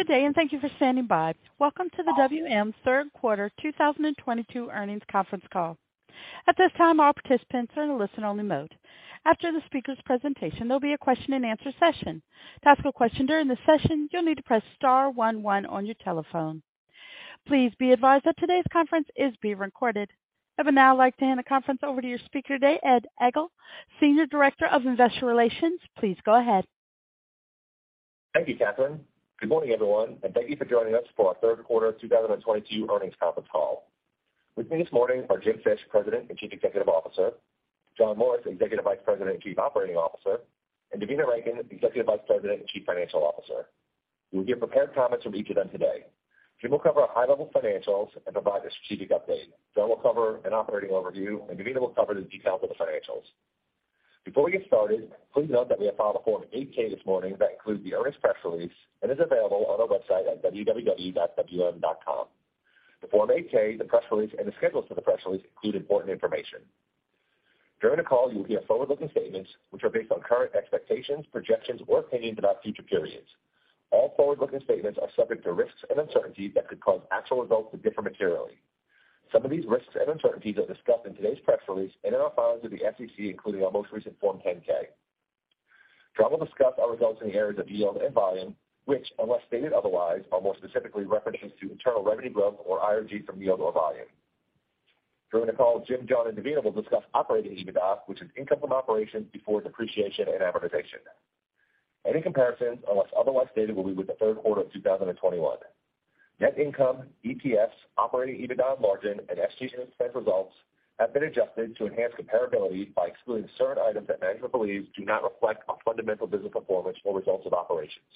Good day, and thank you for standing by. Welcome to the WM third quarter 2022 earnings conference call. At this time, all participants are in a listen-only mode. After the speaker's presentation, there'll be a question-and-answer session. To ask a question during the session, you'll need to press star one one on your telephone. Please be advised that today's conference is being recorded. I would now like to hand the conference over to your speaker today, Ed Egl, Senior Director of Investor Relations. Please go ahead. Thank you, Catherine. Good morning, everyone, and thank you for joining us for our third quarter 2022 earnings conference call. With me this morning are Jim Fish, President and Chief Executive Officer, John Morris, Executive Vice President and Chief Operating Officer, and Devina Rankin, Executive Vice President and Chief Financial Officer. We will give prepared comments from each of them today. Jim will cover high-level financials and provide a strategic update. John will cover an operating overview, and Devina will cover the details of the financials. Before we get started, please note that we have filed a Form 8-K this morning that includes the earnings press release and is available on our website at www.wm.com. The Form 8-K, the press release, and the schedules for the press release include important information. During the call, you will hear forward-looking statements which are based on current expectations, projections, or opinions about future periods. All forward-looking statements are subject to risks and uncertainties that could cause actual results to differ materially. Some of these risks and uncertainties are discussed in today's press release and in our filings with the SEC, including our most recent Form 10-K. John will discuss our results in the areas of yield and volume, which, unless stated otherwise, are more specifically referenced to internal revenue growth or IRG from yield or volume. During the call, Jim, John, and Devina will discuss operating EBITDA, which is income from operations before depreciation and amortization. Any comparisons, unless otherwise stated, will be with the third quarter of 2021. Net income, EPS, operating EBITDA margin, and SG&A expense results have been adjusted to enhance comparability by excluding certain items that management believes do not reflect our fundamental business performance or results of operations.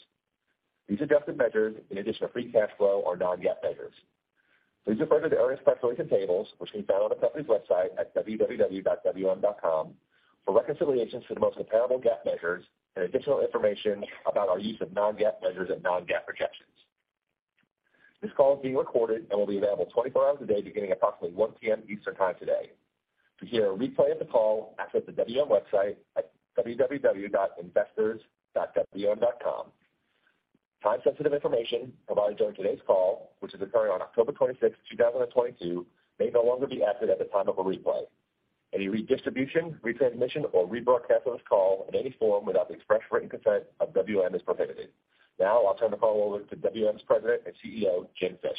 These adjusted measures in addition to free cash flow are non-GAAP measures. Please refer to the earnings press release and tables, which can be found on the company's website at www.wm.com for reconciliations to the most comparable GAAP measures and additional information about our use of non-GAAP measures and non-GAAP projections. This call is being recorded and will be available 24 hours a day beginning approximately 1 P.M. Eastern Time today. To hear a replay of the call, access the WM website at investors.wm.com. Time-sensitive information provided during today's call, which is occurring on October 26th, 2022, may no longer be accurate at the time of a replay. Any redistribution, retransmission, or rebroadcast of this call in any form without the express written consent of WM is prohibited. Now I'll turn the call over to WM's President and CEO, Jim Fish.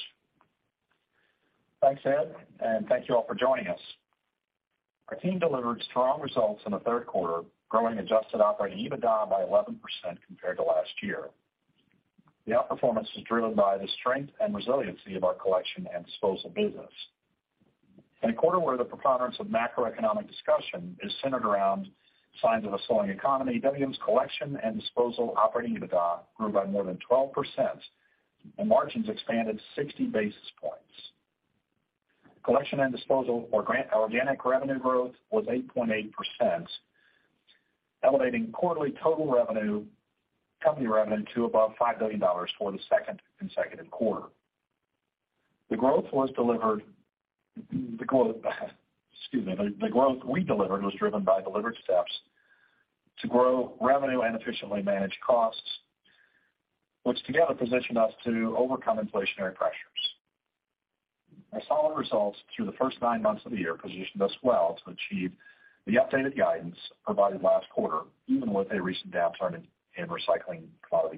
Thanks, Ed, and thank you all for joining us. Our team delivered strong results in the third quarter, growing adjusted operating EBITDA by 11% compared to last year. The outperformance is driven by the strength and resiliency of our collection and disposal business. In a quarter where the preponderance of macroeconomic discussion is centered around signs of a slowing economy, WM's collection and disposal operating EBITDA grew by more than 12%, and margins expanded 60 basis points. Collection and disposal core organic revenue growth was 8.8%, elevating quarterly total company revenue to above $5 billion for the second consecutive quarter. The growth, excuse me, we delivered was driven by deliberate steps to grow revenue and efficiently manage costs, which together position us to overcome inflationary pressures. Our solid results through the first nine months of the year positioned us well to achieve the updated guidance provided last quarter, even with a recent downturn in recycling commodity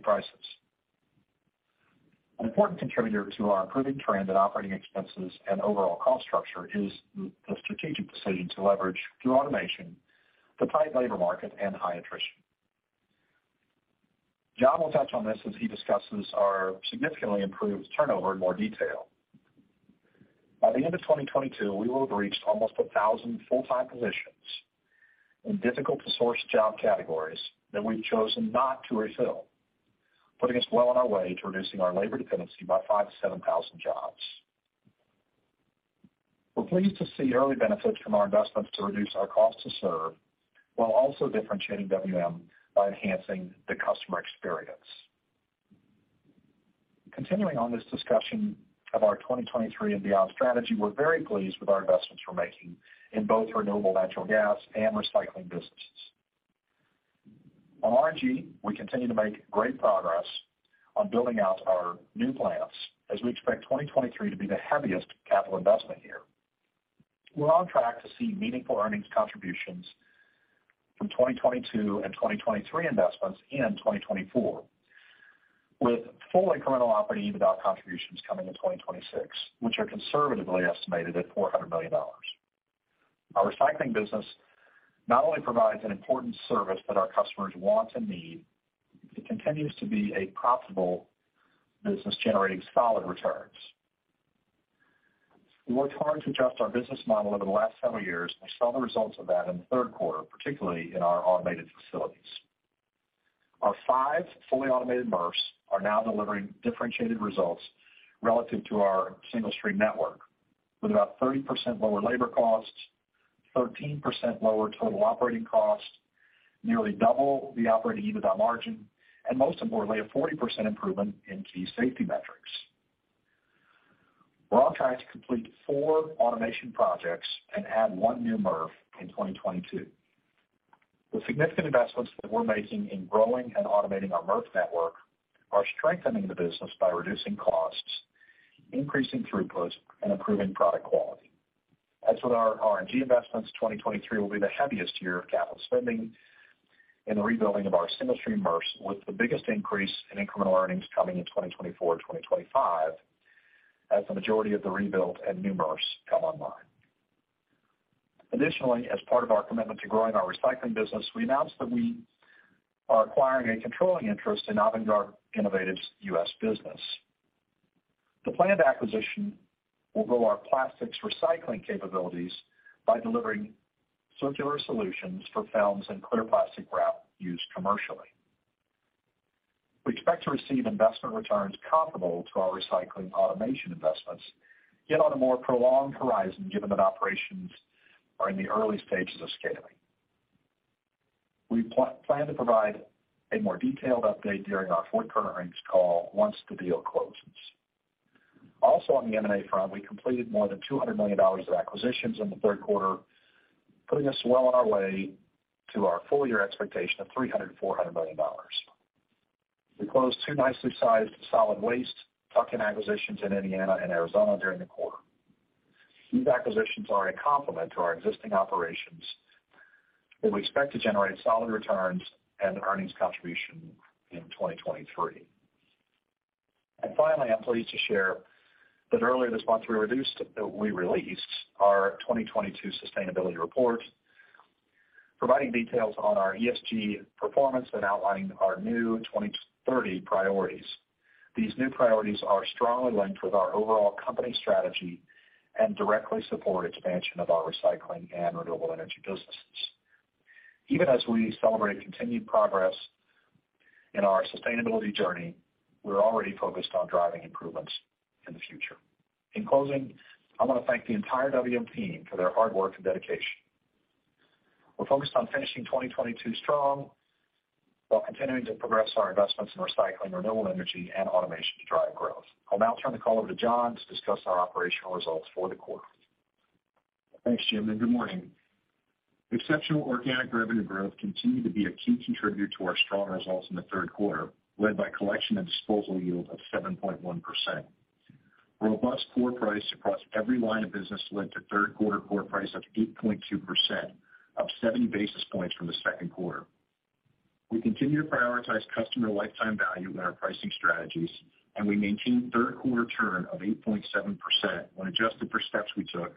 prices. An important contributor to our improving trend in operating expenses and overall cost structure is the strategic decision to leverage through automation the tight labor market and high attrition. John will touch on this as he discusses our significantly improved turnover in more detail. By the end of 2022, we will have reached almost 1,000 full-time positions in difficult to source job categories that we've chosen not to refill, putting us well on our way to reducing our labor dependency by 5,000-7,000 jobs. We're pleased to see early benefits from our investments to reduce our cost to serve, while also differentiating WM by enhancing the customer experience. Continuing on this discussion of our 2023 and beyond strategy, we're very pleased with our investments we're making in both renewable natural gas and recycling businesses. On RNG, we continue to make great progress on building out our new plants as we expect 2023 to be the heaviest capital investment year. We're on track to see meaningful earnings contributions from 2022 and 2023 investments in 2024, with full incremental operating EBITDA contributions coming in 2026, which are conservatively estimated at $400 million. Our recycling business not only provides an important service that our customers want and need, it continues to be a profitable business generating solid returns. We worked hard to adjust our business model over the last several years. We saw the results of that in the third quarter, particularly in our automated facilities. Our five fully automated MRFs are now delivering differentiated results relative to our single stream network with about 30% lower labor costs, 13% lower total operating costs, nearly double the operating EBITDA margin, and most importantly, a 40% improvement in key safety metrics. We're on track to complete four automation projects and add one new MRF in 2022. The significant investments that we're making in growing and automating our MRF network are strengthening the business by reducing costs, increasing throughput, and improving product quality. As with our R&D investments, 2023 will be the heaviest year of capital spending in the rebuilding of our single-stream MRFs, with the biggest increase in incremental earnings coming in 2024, 2025 as the majority of the rebuild and new MRFs come online. Additionally, as part of our commitment to growing our recycling business, we announced that we are acquiring a controlling interest in Avangard Innovative's U.S. business. The planned acquisition will grow our plastics recycling capabilities by delivering circular solutions for films and clear plastic wrap used commercially. We expect to receive investment returns comparable to our recycling automation investments, yet on a more prolonged horizon, given that operations are in the early stages of scaling. We plan to provide a more detailed update during our fourth-quarter earnings call once the deal closes. Also on the M&A front, we completed more than $200 million of acquisitions in the third quarter, putting us well on our way to our full-year expectation of $300-$400 million. We closed two nicely sized solid waste tuck-in acquisitions in Indiana and Arizona during the quarter. These acquisitions are a complement to our existing operations, and we expect to generate solid returns and earnings contribution in 2023. Finally, I'm pleased to share that earlier this month, we released our 2022 sustainability report, providing details on our ESG performance and outlining our new 2030 priorities. These new priorities are strongly linked with our overall company strategy and directly support expansion of our recycling and renewable energy businesses. Even as we celebrate continued progress in our sustainability journey, we're already focused on driving improvements in the future. In closing, I want to thank the entire WM team for their hard work and dedication. We're focused on finishing 2022 strong while continuing to progress our investments in recycling, renewable energy, and automation to drive growth. I'll now turn the call over to John to discuss our operational results for the quarter. Thanks, Jim, and good morning. Exceptional organic revenue growth continued to be a key contributor to our strong results in the third quarter, led by collection and disposal yield of 7.1%. Robust core price across every line of business led to third quarter core price of 8.2%, up 70 basis points from the second quarter. We continue to prioritize customer lifetime value in our pricing strategies, and we maintained third quarter turn of 8.7% when adjusted for steps we took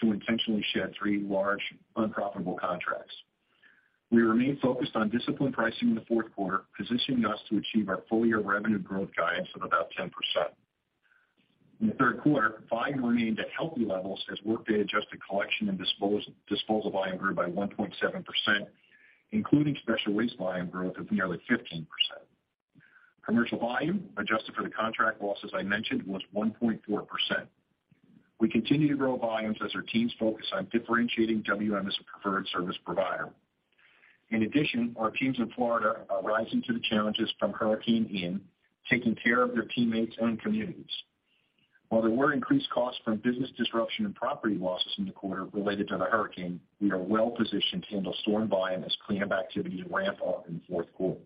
to intentionally shed three large unprofitable contracts. We remain focused on disciplined pricing in the fourth quarter, positioning us to achieve our full-year revenue growth guidance of about 10%. In the third quarter, volume remained at healthy levels as workday-adjusted collection and disposal volume grew by 1.7%, including special waste volume growth of nearly 15%. Commercial volume, adjusted for the contract losses I mentioned, was 1.4%. We continue to grow volumes as our teams focus on differentiating WM as a preferred service provider. In addition, our teams in Florida are rising to the challenges from Hurricane Ian, taking care of their teammates and communities. While there were increased costs from business disruption and property losses in the quarter related to the hurricane, we are well positioned to handle storm volume as cleanup activity ramp up in the fourth quarter.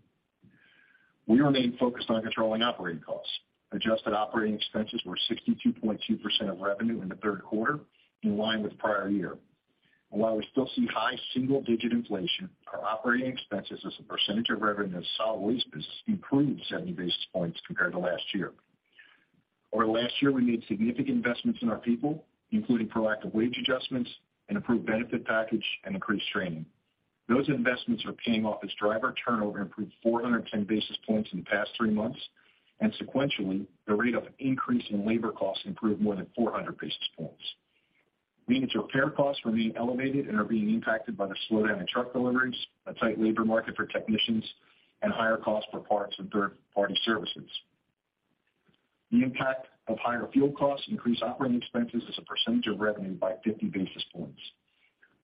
We remain focused on controlling operating costs. Adjusted operating expenses were 62.2% of revenue in the third quarter, in line with prior year. While we still see high single-digit inflation, our operating expenses as a percentage of revenue in the solid waste business improved 70 basis points compared to last year. Over the last year, we made significant investments in our people, including proactive wage adjustments, an improved benefit package, and increased training. Those investments are paying off as driver turnover improved 410 basis points in the past three months, and sequentially, the rate of increase in labor costs improved more than 400 basis points. Vehicle repair costs remain elevated and are being impacted by the slowdown in truck deliveries, a tight labor market for technicians, and higher costs for parts and third-party services. The impact of higher fuel costs increased operating expenses as a percentage of revenue by 50 basis points.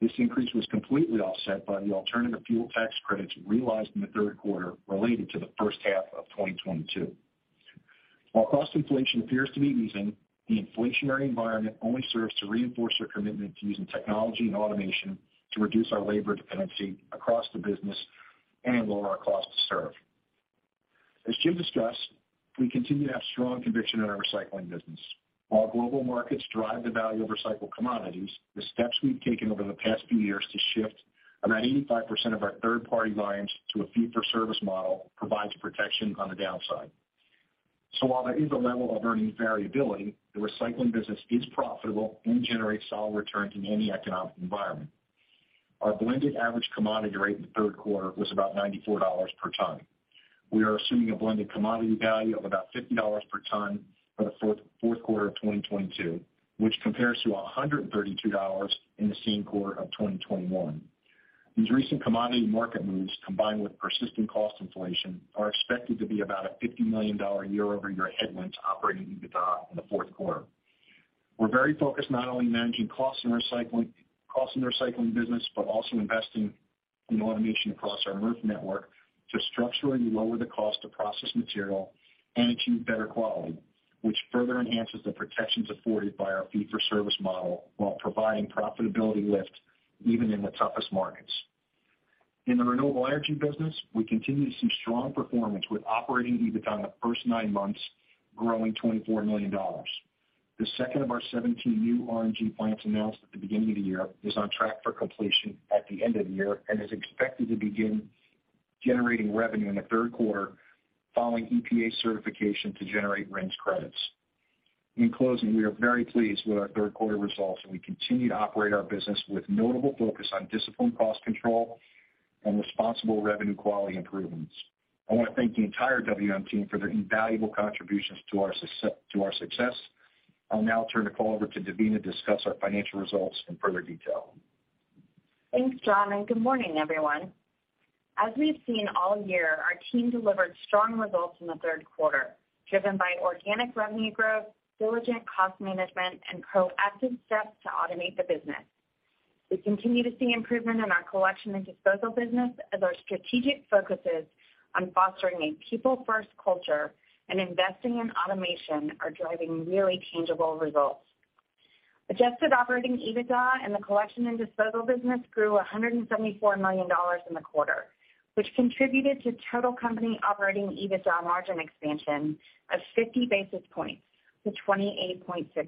This increase was completely offset by the Alternative Fuel Tax Credit realized in the third quarter related to the first half of 2022. While cost inflation appears to be easing, the inflationary environment only serves to reinforce our commitment to using technology and automation to reduce our labor dependency across the business and lower our cost to serve. As Jim discussed, we continue to have strong conviction in our recycling business. While global markets drive the value of recycled commodities, the steps we've taken over the past few years to shift about 85% of our third-party volumes to a fee-for-service model provides protection on the downside. While there is a level of earnings variability, the recycling business is profitable and generates solid returns in any economic environment. Our blended average commodity rate in the third quarter was about $94 per ton. We are assuming a blended commodity value of about $50 per ton for the fourth quarter of 2022, which compares to $132 in the same quarter of 2021. These recent commodity market moves, combined with persistent cost inflation, are expected to be about a $50 million year-over-year headwind to operating EBITDA in the fourth quarter. We're very focused not only on managing costs in recycling, costs in the recycling business, but also investing and automation across our MRF network to structurally lower the cost of processed material and achieve better quality, which further enhances the protections afforded by our fee-for-service model while providing profitability lift even in the toughest markets. In the renewable energy business, we continue to see strong performance with operating EBITDA in the first nine months growing $24 million. The second of our 17 new RNG plants announced at the beginning of the year is on track for completion at the end of the year and is expected to begin generating revenue in the third quarter following EPA certification to generate RINs credits. In closing, we are very pleased with our third quarter results, and we continue to operate our business with notable focus on disciplined cost control and responsible revenue quality improvements. I wanna thank the entire WM team for their invaluable contributions to our success. I'll now turn the call over to Devina to discuss our financial results in further detail. Thanks, John, and good morning, everyone. As we've seen all year, our team delivered strong results in the third quarter, driven by organic revenue growth, diligent cost management, and proactive steps to automate the business. We continue to see improvement in our collection and disposal business as our strategic focuses on fostering a people-first culture and investing in automation are driving really tangible results. Adjusted operating EBITDA in the collection and disposal business grew $174 million in the quarter, which contributed to total company operating EBITDA margin expansion of 50 basis points to 28.6%.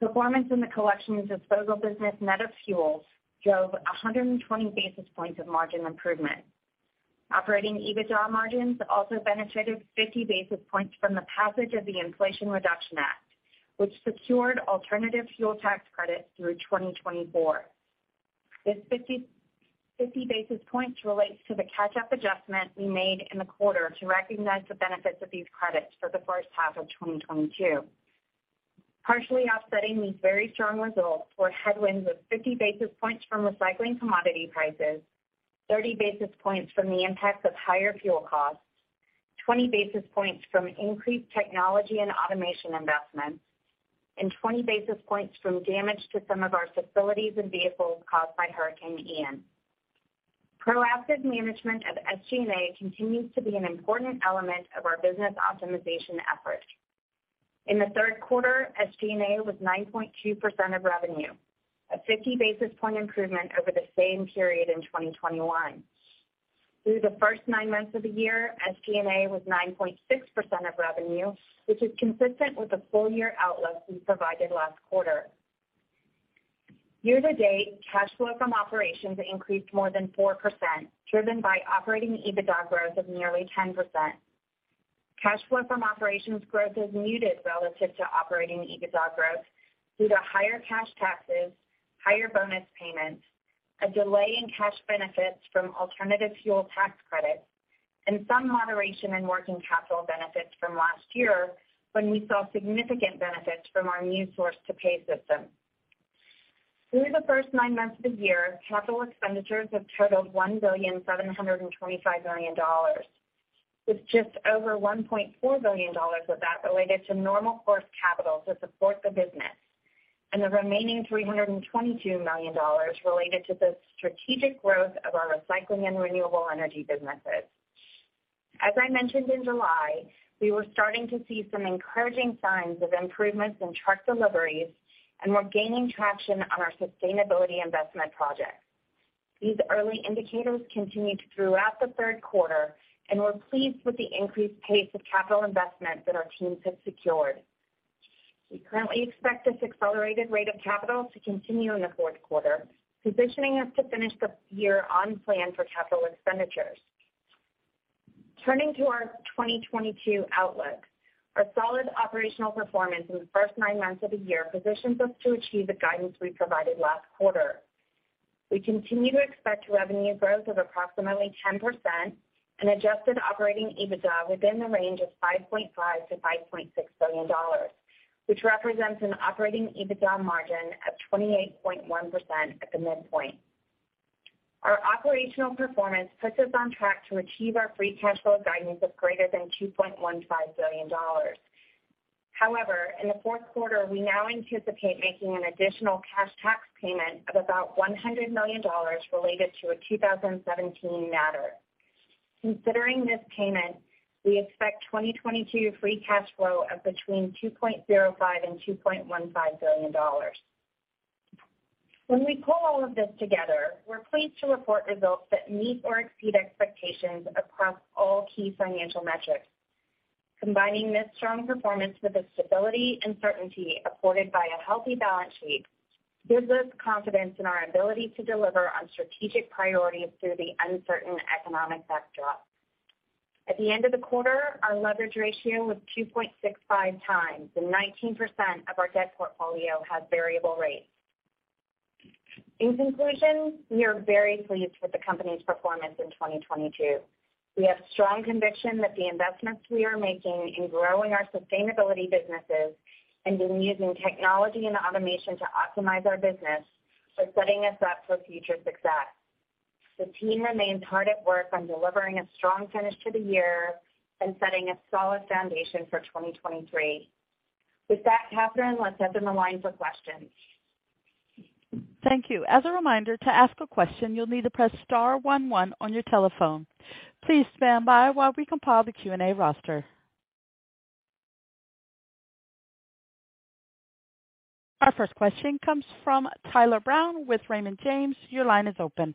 Performance in the collection and disposal business net of fuels drove 120 basis points of margin improvement. Operating EBITDA margins also benefited 50 basis points from the passage of the Inflation Reduction Act, which secured Alternative Fuel Tax Credit through 2024. This 50 basis points relates to the catch-up adjustment we made in the quarter to recognize the benefits of these credits for the first half of 2022. Partially offsetting these very strong results were headwinds of 50 basis points from recycling commodity prices, 30 basis points from the impacts of higher fuel costs, 20 basis points from increased technology and automation investments, and 20 basis points from damage to some of our facilities and vehicles caused by Hurricane Ian. Proactive management of SG&A continues to be an important element of our business optimization efforts. In the third quarter, SG&A was 9.2% of revenue, a 50 basis point improvement over the same period in 2021. Through the first nine months of the year, SG&A was 9.6% of revenue, which is consistent with the full-year outlook we provided last quarter. Year to date, cash flow from operations increased more than 4%, driven by operating EBITDA growth of nearly 10%. Cash flow from operations growth is muted relative to operating EBITDA growth due to higher cash taxes, higher bonus payments, a delay in cash benefits from Alternative Fuel Tax Credit, and some moderation in working capital benefits from last year when we saw significant benefits from our new source-to-pay system. Through the first nine months of the year, capital expenditures have totaled $1.725 billion, with just over $1.4 billion of that related to normal course capital to support the business and the remaining $322 million related to the strategic growth of our recycling and renewable energy businesses. As I mentioned in July, we were starting to see some encouraging signs of improvements in truck deliveries and were gaining traction on our sustainability investment projects. These early indicators continued throughout the third quarter, and we're pleased with the increased pace of capital investment that our teams have secured. We currently expect this accelerated rate of capital to continue in the fourth quarter, positioning us to finish the year on plan for capital expenditures. Turning to our 2022 outlook. Our solid operational performance in the first nine months of the year positions us to achieve the guidance we provided last quarter. We continue to expect revenue growth of approximately 10% and adjusted operating EBITDA within the range of $5.5 billion-$5.6 billion, which represents an operating EBITDA margin of 28.1% at the midpoint. Our operational performance puts us on track to achieve our free cash flow guidance of greater than $2.15 billion. However, in the fourth quarter, we now anticipate making an additional cash tax payment of about $100 million related to a 2017 matter. Considering this payment, we expect 2022 free cash flow of between $2.05 billion and $2.15 billion. When we pull all of this together, we're pleased to report results that meet or exceed expectations across all key financial metrics. Combining this strong performance with the stability and certainty afforded by a healthy balance sheet gives us confidence in our ability to deliver on strategic priorities through the uncertain economic backdrop. At the end of the quarter, our leverage ratio was 2.65x, and 19% of our debt portfolio had variable rates. In conclusion, we are very pleased with the company's performance in 2022. We have strong conviction that the investments we are making in growing our sustainability businesses and in using technology and automation to optimize our business are setting us up for future success. The team remains hard at work on delivering a strong finish to the year and setting a solid foundation for 2023. With that, Catherine, let's open the line for questions. Thank you. As a reminder, to ask a question, you'll need to press star one one on your telephone. Please stand by while we compile the Q&A roster. Our first question comes from Tyler Brown with Raymond James. Your line is open.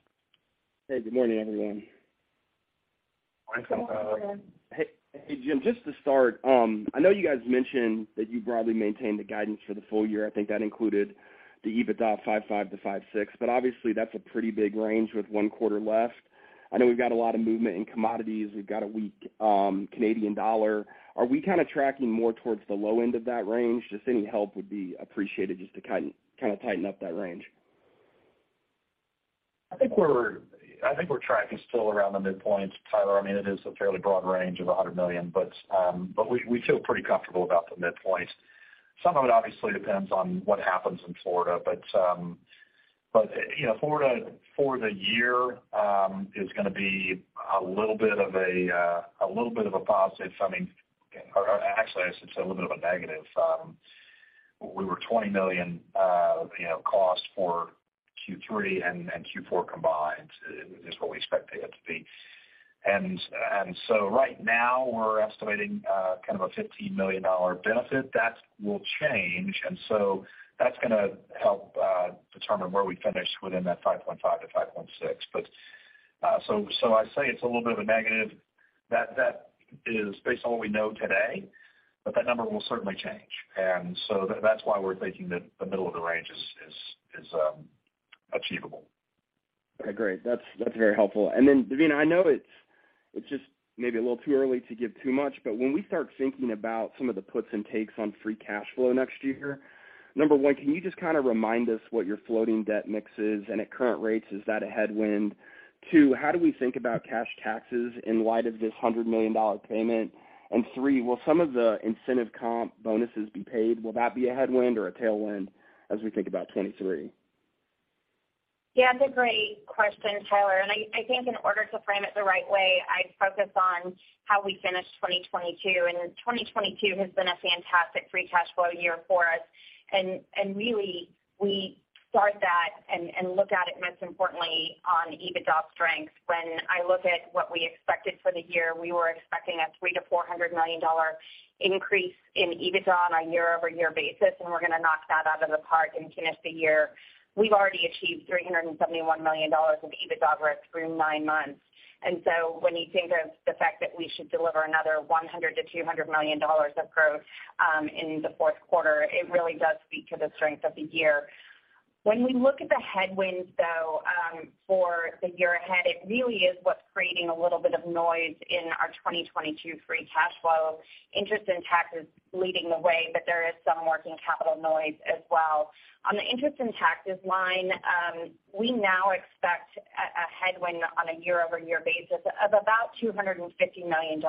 Hey, good morning, everyone. Good morning. Hey, Jim, just to start, I know you guys mentioned that you broadly maintained the guidance for the full year. I think that included the EBITDA 5.5-5.6, but obviously that's a pretty big range with one quarter left. I know we've got a lot of movement in commodities. We've got a weak Canadian dollar. Are we kind of tracking more towards the low end of that range? Just any help would be appreciated just to kind of tighten up that range. I think we're tracking still around the midpoint, Tyler. I mean, it is a fairly broad range of $100 million, but we feel pretty comfortable about the midpoint. Some of it obviously depends on what happens in Florida. You know, Florida for the year is gonna be a little bit of a positive. I mean, actually I should say a little bit of a negative. We were $20 million you know cost for Q3 and Q4 combined is what we expected it to be. Right now we're estimating kind of a $15 million benefit. That will change. That's gonna help determine where we finish within that 5.5-5.6. I'd say it's a little bit of a negative. That is based on what we know today, but that number will certainly change. That's why we're thinking that the middle of the range is achievable. Okay, great. That's very helpful. Then Devina, I know it's just maybe a little too early to give too much, but when we start thinking about some of the puts and takes on free cash flow next year, number one, can you just kind of remind us what your floating debt mix is and at current rates, is that a headwind? Two, how do we think about cash taxes in light of this $100 million payment? And three, will some of the incentive comp bonuses be paid? Will that be a headwind or a tailwind as we think about 2023? Yeah, that's a great question, Tyler. I think in order to frame it the right way, I'd focus on how we finish 2022. 2022 has been a fantastic free cash flow year for us. Really we start that and look at it most importantly on EBITDA strength. When I look at what we expected for the year, we were expecting a $300 million-$400 million increase in EBITDA on a YoY basis, and we're gonna knock that out of the park and finish the year. We've already achieved $371 million of EBITDA growth through nine months. When you think of the fact that we should deliver another $100 million-$200 million of growth in the fourth quarter, it really does speak to the strength of the year. When we look at the headwinds, though, for the year ahead, it really is what's creating a little bit of noise in our 2022 free cash flow. Interest and tax is leading the way, but there is some working capital noise as well. On the interest and taxes line, we now expect a headwind on a YoY basis of about $250 million.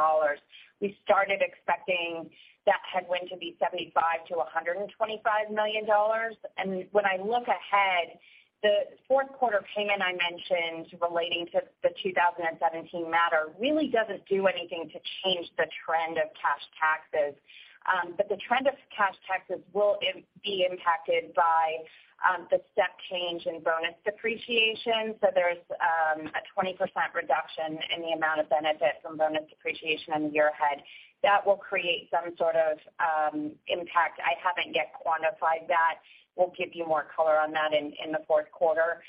We started expecting that headwind to be $75 million-$125 million. When I look ahead, the fourth quarter payment I mentioned relating to the 2017 matter really doesn't do anything to change the trend of cash taxes. The trend of cash taxes will be impacted by the step change in bonus depreciation. There's a 20% reduction in the amount of benefit from bonus depreciation in the year ahead. That will create some sort of impact. I haven't yet quantified that. We'll give you more color on that in the fourth quarter.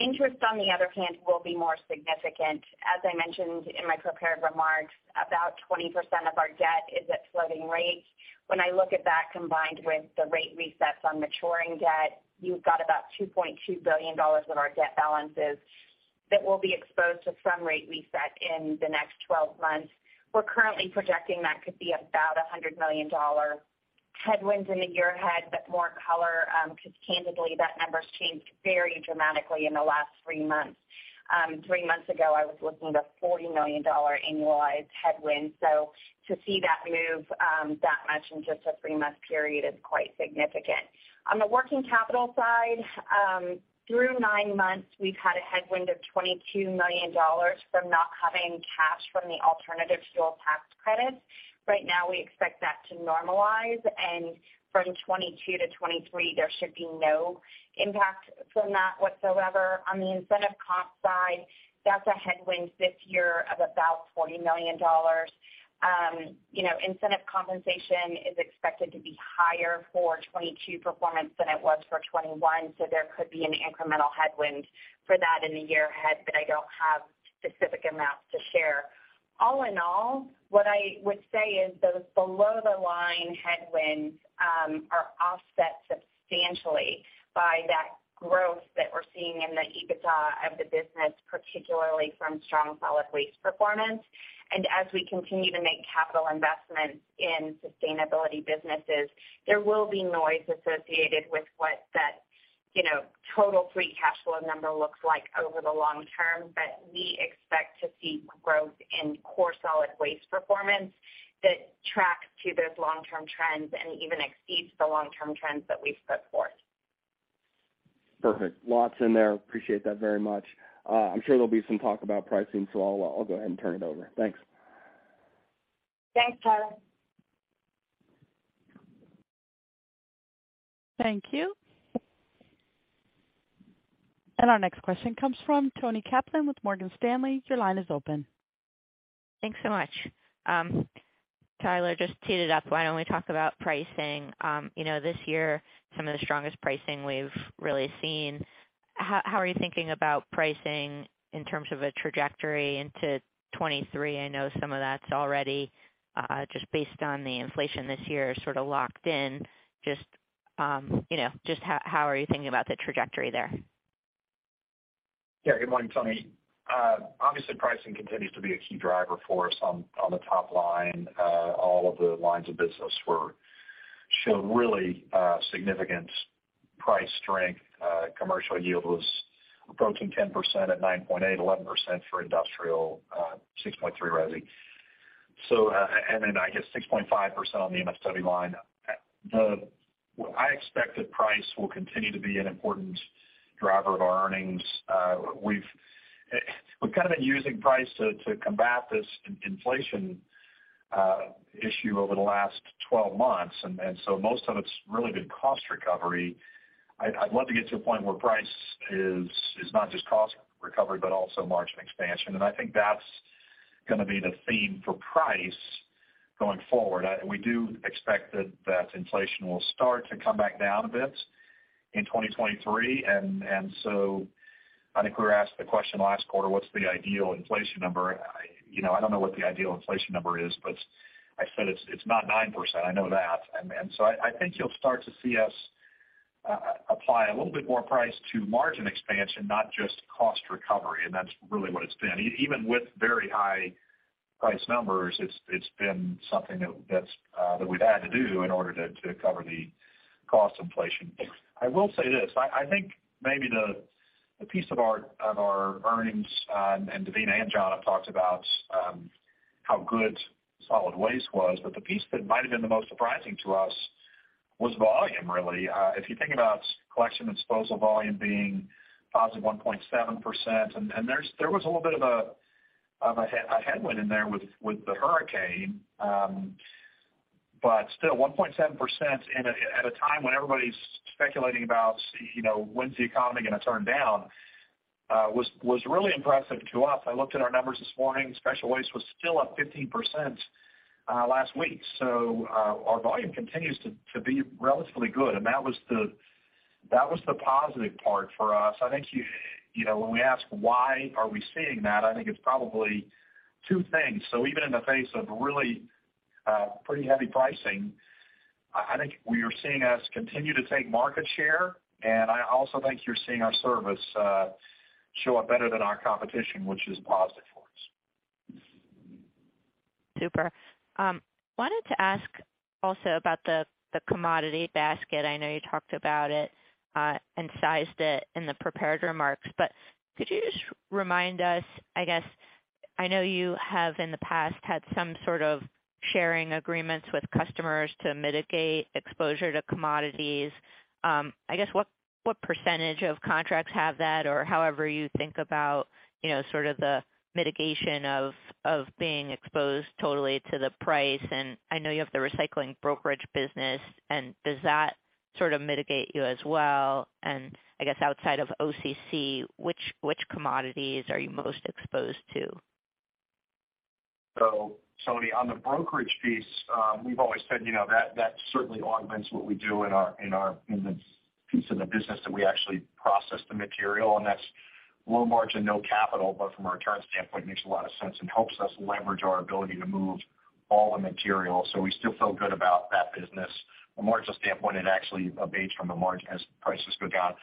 Interest, on the other hand, will be more significant. As I mentioned in my prepared remarks, about 20% of our debt is at floating rates. When I look at that combined with the rate resets on maturing debt, you've got about $2.2 billion of our debt balances that will be exposed to some rate reset in the next twelve months. We're currently projecting that could be about $100 million headwinds in the year ahead, but more color, because candidly, that number's changed very dramatically in the last three months. Three months ago, I was looking at a $40 million annualized headwind. To see that move that much in just a three month period is quite significant. On the working capital side, through nine months, we've had a headwind of $22 million from not having cash from the Alternative Fuel Tax Credit. Right now, we expect that to normalize, and from 2022 to 2023, there should be no impact from that whatsoever. On the incentive comp side, that's a headwind this year of about $40 million. You know, incentive compensation is expected to be higher for 2022 performance than it was for 2021, so there could be an incremental headwind for that in the year ahead, but I don't have specific amounts to share. All in all, what I would say is those below the line headwinds are offset substantially by that growth that we're seeing in the EBITDA of the business, particularly from strong solid waste performance. As we continue to make capital investments in sustainability businesses, there will be noise associated with what that, you know, total free cash flow number looks like over the long term. We expect to see growth in core solid waste performance that tracks to those long-term trends and even exceeds the long-term trends that we've set forth. Perfect. Lots in there. Appreciate that very much. I'm sure there'll be some talk about pricing, so I'll go ahead and turn it over. Thanks. Thanks, Tyler. Thank you. Our next question comes from Toni Kaplan with Morgan Stanley. Your line is open. Thanks so much. Tyler just teed it up why I only talk about pricing. You know, this year, some of the strongest pricing we've really seen. How are you thinking about pricing in terms of a trajectory into 2023? I know some of that's already just based on the inflation this year, sort of locked in. Just, you know, just how are you thinking about the trajectory there? Yeah. Good morning, Toni. Obviously, pricing continues to be a key driver for us on the top line. All of the lines of business show really significant price strength. Commercial yield was approaching 10% at 9.8%, 11% for industrial, 6.3% resi. And then I guess 6.5% on the MSW line. I expect that price will continue to be an important driver of our earnings. We've kind of been using price to combat this inflation issue over the last 12 months, and so most of it's really been cost recovery. I'd love to get to a point where price is not just cost recovery, but also margin expansion. I think that's gonna be the theme for price going forward. We do expect that inflation will start to come back down a bit in 2023. I think we were asked the question last quarter, what's the ideal inflation number? You know, I don't know what the ideal inflation number is, but I said it's not 9%, I know that. I think you'll start to see us apply a little bit more price to margin expansion, not just cost recovery, and that's really what it's been. Even with very high price numbers, it's been something that we've had to do in order to cover the cost inflation. I will say this. I think maybe the piece of our earnings, and Devina and John have talked about how good solid waste was, but the piece that might have been the most surprising to us was volume, really. If you think about collection and disposal volume being +1.7%, and there was a little bit of a headwind in there with the hurricane. But still, 1.7% at a time when everybody's speculating about see, you know, when's the economy gonna turn down, was really impressive to us. I looked at our numbers this morning. Special waste was still up 15%, last week. Our volume continues to be relatively good, and that was the positive part for us. I think you know, when we ask why are we seeing that, I think it's probably two things. Even in the face of really pretty heavy pricing, I think you're seeing us continue to take market share, and I also think you're seeing our service show up better than our competition, which is positive for us. Super. Wanted to ask also about the commodity basket. I know you talked about it and sized it in the prepared remarks, but could you just remind us, I guess. I know you have, in the past, had some sort of sharing agreements with customers to mitigate exposure to commodities. I guess, what percentage of contracts have that, or however you think about, you know, sort of the mitigation of being exposed totally to the price? I know you have the recycling brokerage business, and does that sort of mitigate you as well? I guess outside of OCC, which commodities are you most exposed to? Toni, on the brokerage piece, we've always said, you know, that that certainly augments what we do in our in the piece of the business that we actually process the material, and that's low margin, no capital, but from a return standpoint, makes a lot of sense and helps us leverage our ability to move all the material. We still feel good about that business. From a margin standpoint, it actually abates from the margin as prices go down.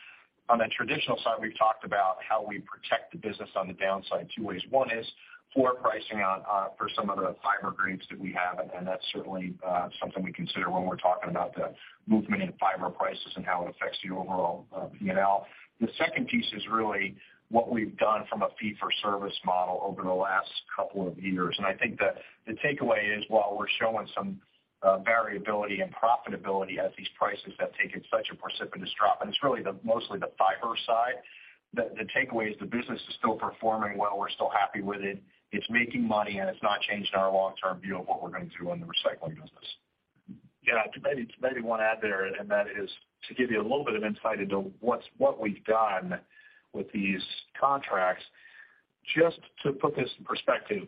On the traditional side, we've talked about how we protect the business on the downside in two ways. One is floor pricing on for some of the fiber grades that we have, and that's certainly something we consider when we're talking about the movement in fiber prices and how it affects the overall P&L. The second piece is really what we've done from a fee-for-service model over the last couple of years. I think the takeaway is, while we're showing some variability and profitability at these prices that have taken such a precipitous drop, and it's really mostly the fiber side, the takeaway is the business is still performing well. We're still happy with it. It's making money, and it's not changing our long-term view of what we're gonna do in the recycling business. Yeah. Maybe one add there, and that is to give you a little bit of insight into what we've done with these contracts. Just to put this in perspective,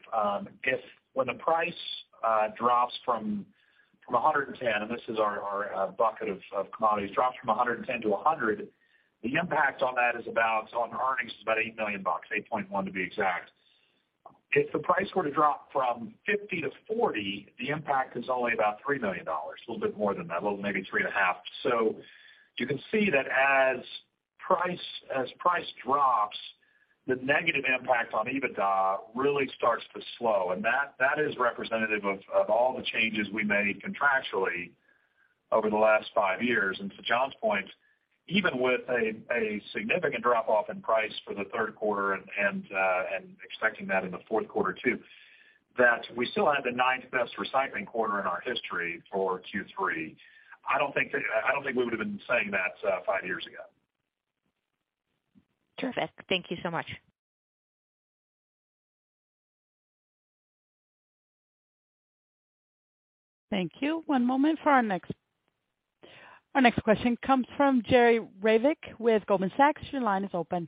if the price drops from 110, and this is our bucket of commodities, drops from 110 to 100, the impact on earnings is about $8 million, $8.1 million to be exact. If the price were to drop from 50 to 40, the impact is only about $3 million, a little bit more than that, a little maybe $3.5 million. You can see that as price drops, the negative impact on EBITDA really starts to slow. That is representative of all the changes we made contractually over the last five years. To John's point, even with a significant drop off in price for the third quarter and expecting that in the fourth quarter too. That we still had the ninth best recycling quarter in our history for Q3. I don't think we would have been saying that five years ago. Terrific. Thank you so much. Thank you. Our next question comes from Jerry Revich with Goldman Sachs. Your line is open.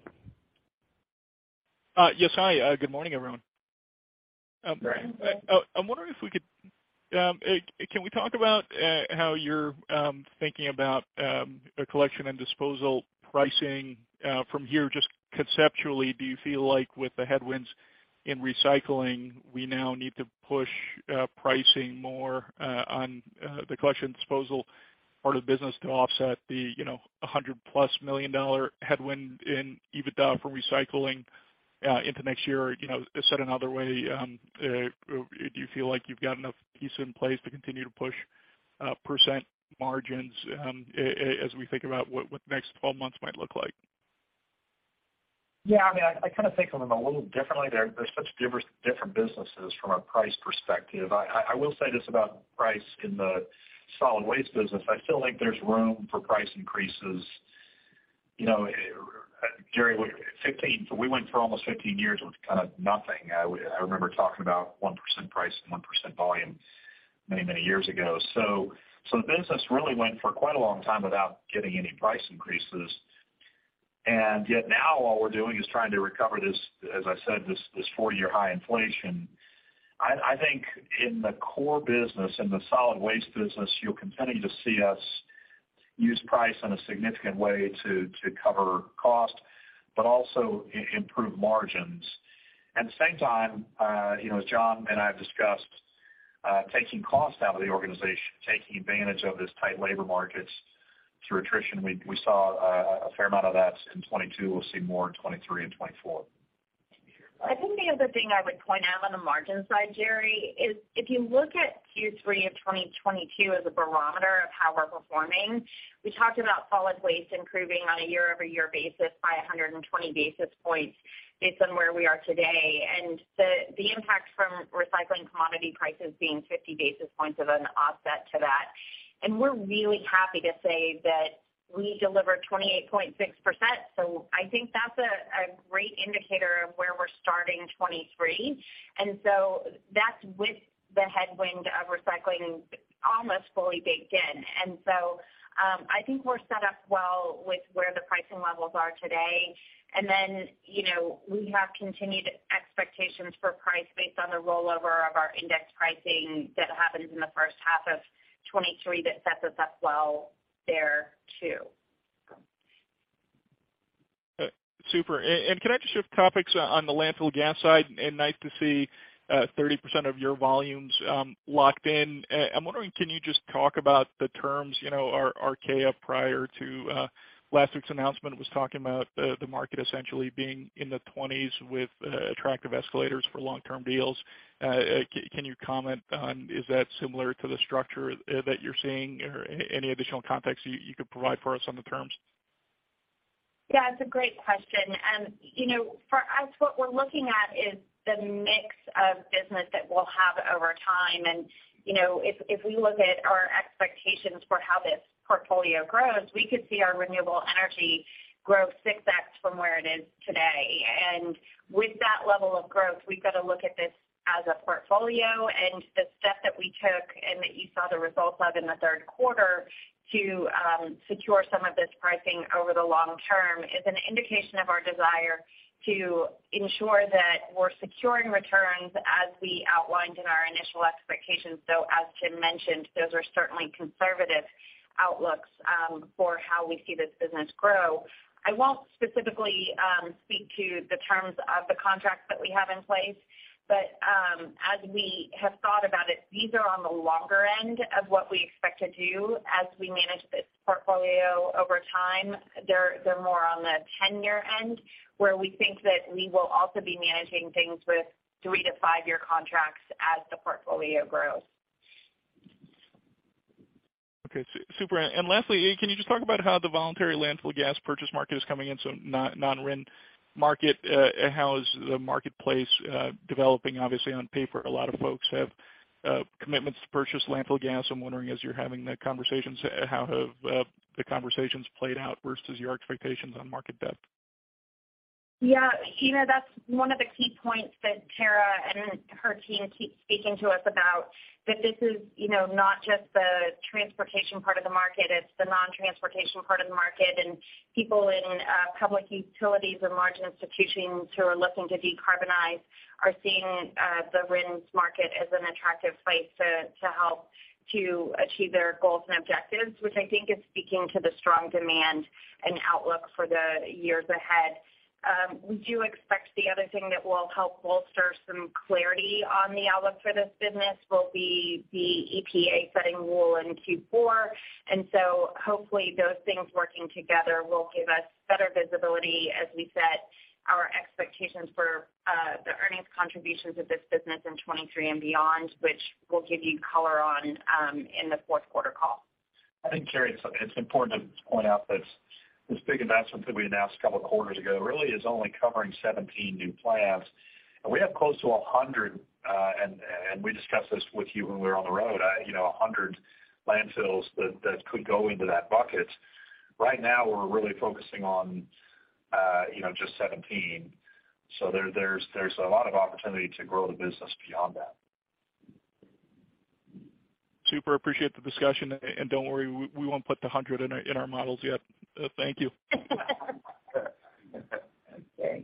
Yes. Hi. Good morning, everyone. Good morning. Can we talk about how you're thinking about collection and disposal pricing from here? Just conceptually, do you feel like with the headwinds in recycling, we now need to push pricing more on the collection and disposal part of the business to offset $100+ million headwind in EBITDA for recycling into next year? Said another way, do you feel like you've got enough pricing in place to continue to push percent margins as we think about what the next 12 months might look like? Yeah, I mean, I kind of think of them a little differently. They're such different businesses from a price perspective. I will say this about price in the solid waste business. I feel like there's room for price increases. You know, Jerry. We went for almost 15 years with kind of nothing. I remember talking about 1% price and 1% volume many years ago. The business really went for quite a long time without getting any price increases. Yet, now all we're doing is trying to recover this, as I said, this four-year high inflation. I think in the core business, in the solid waste business, you'll continue to see us use price in a significant way to cover cost, but also improve margins. At the same time, you know, as John and I have discussed, taking cost out of the organization, taking advantage of this tight labor markets through attrition. We saw a fair amount of that in 2022. We'll see more in 2023 and 2024. I think the other thing I would point out on the margin side, Jerry, is if you look at Q3 of 2022 as a barometer of how we're performing, we talked about solid waste improving on a YoY basis by 120 basis points based on where we are today. The impact from recycling commodity prices being 50 basis points of an offset to that. We're really happy to say that we delivered 28.6%. I think that's a great indicator of where we're starting 2023. That's with the headwind of recycling almost fully baked in. I think we're set up well with where the pricing levels are today. You know, we have continued expectations for price based on the rollover of our index pricing that happens in the first half of 2023 that sets us up well there too. Super. Can I just shift topics on the landfill gas side? Nice to see 30% of your volumes locked in. I'm wondering, can you just talk about the terms? You know, our CF prior to last week's announcement was talking about the market essentially being in the twenties with attractive escalators for long-term deals. Can you comment on is that similar to the structure that you're seeing or any additional context you could provide for us on the terms? Yeah, it's a great question. You know, for us, what we're looking at is the mix of business that we'll have over time. You know, if we look at our expectations for how this portfolio grows, we could see our renewable energy grow 6x from where it is today. With that level of growth, we've got to look at this as a portfolio. The step that we took and that you saw the results of in the third quarter to secure some of this pricing over the long term is an indication of our desire to ensure that we're securing returns as we outlined in our initial expectations. As Jim Fish mentioned, those are certainly conservative outlooks for how we see this business grow. I won't specifically speak to the terms of the contracts that we have in place, but as we have thought about it, these are on the longer end of what we expect to do as we manage this portfolio over time. They're more on the 10 year end, where we think that we will also be managing things with three to five year contracts as the portfolio grows. Okay, super. Lastly, can you just talk about how the voluntary landfill gas purchase market is coming in, so not non-RIN market. How is the marketplace developing? Obviously, on paper, a lot of folks have commitments to purchase landfill gas. I'm wondering, as you're having the conversations, how have the conversations played out versus your expectations on market depth? Yeah. You know, that's one of the key points that Tara and her team keep speaking to us about, that this is, you know, not just the transportation part of the market, it's the non-transportation part of the market. People in public utilities and large institutions who are looking to decarbonize are seeing the RINs market as an attractive place to help to achieve their goals and objectives, which I think is speaking to the strong demand and outlook for the years ahead. We do expect the other thing that will help bolster some clarity on the outlook for this business will be the EPA setting rule in Q4. Hopefully those things working together will give us better visibility as we set our expectations for the earnings contributions of this business in 2023 and beyond, which we'll give you color on in the fourth quarter call. I think, Jerry, it's important to point out that this big investment that we announced a couple of quarters ago really is only covering 17 new plants. We have close to 100, and we discussed this with you when we were on the road, you know, 100 landfills that could go into that bucket. Right now, we're really focusing on, you know, just 17. There's a lot of opportunity to grow the business beyond that. Super appreciate the discussion. Don't worry, we won't put the 100 in our models yet. Thank you. Okay.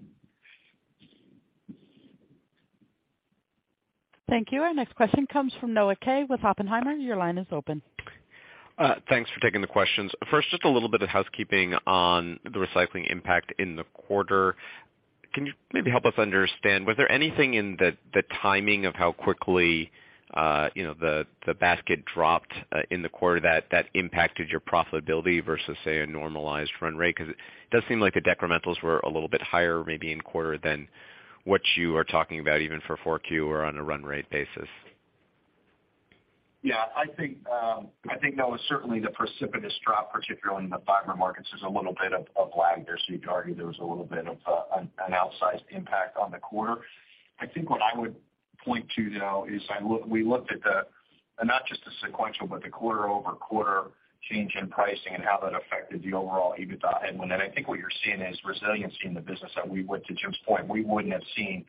Thank you. Our next question comes from Noah Kaye with Oppenheimer. Your line is open. Thanks for taking the questions. First, just a little bit of housekeeping on the recycling impact in the quarter. Can you maybe help us understand, was there anything in the timing of how quickly the basket dropped in the quarter that impacted your profitability versus, say, a normalized run rate? 'Cause it does seem like the decrementals were a little bit higher, maybe in quarter than what you are talking about even for Q4 or on a run rate basis. Yeah, I think, Noah, certainly the precipitous drop, particularly in the fiber markets, there's a little bit of lag there. There was a little bit of an outsized impact on the quarter. I think what I would point to, though, is we looked at, not just the sequential, but the quarter-over-quarter change in pricing and how that affected the overall EBITDA headwind. I think what you're seeing is resiliency in the business that we would, to Jim's point, we wouldn't have seen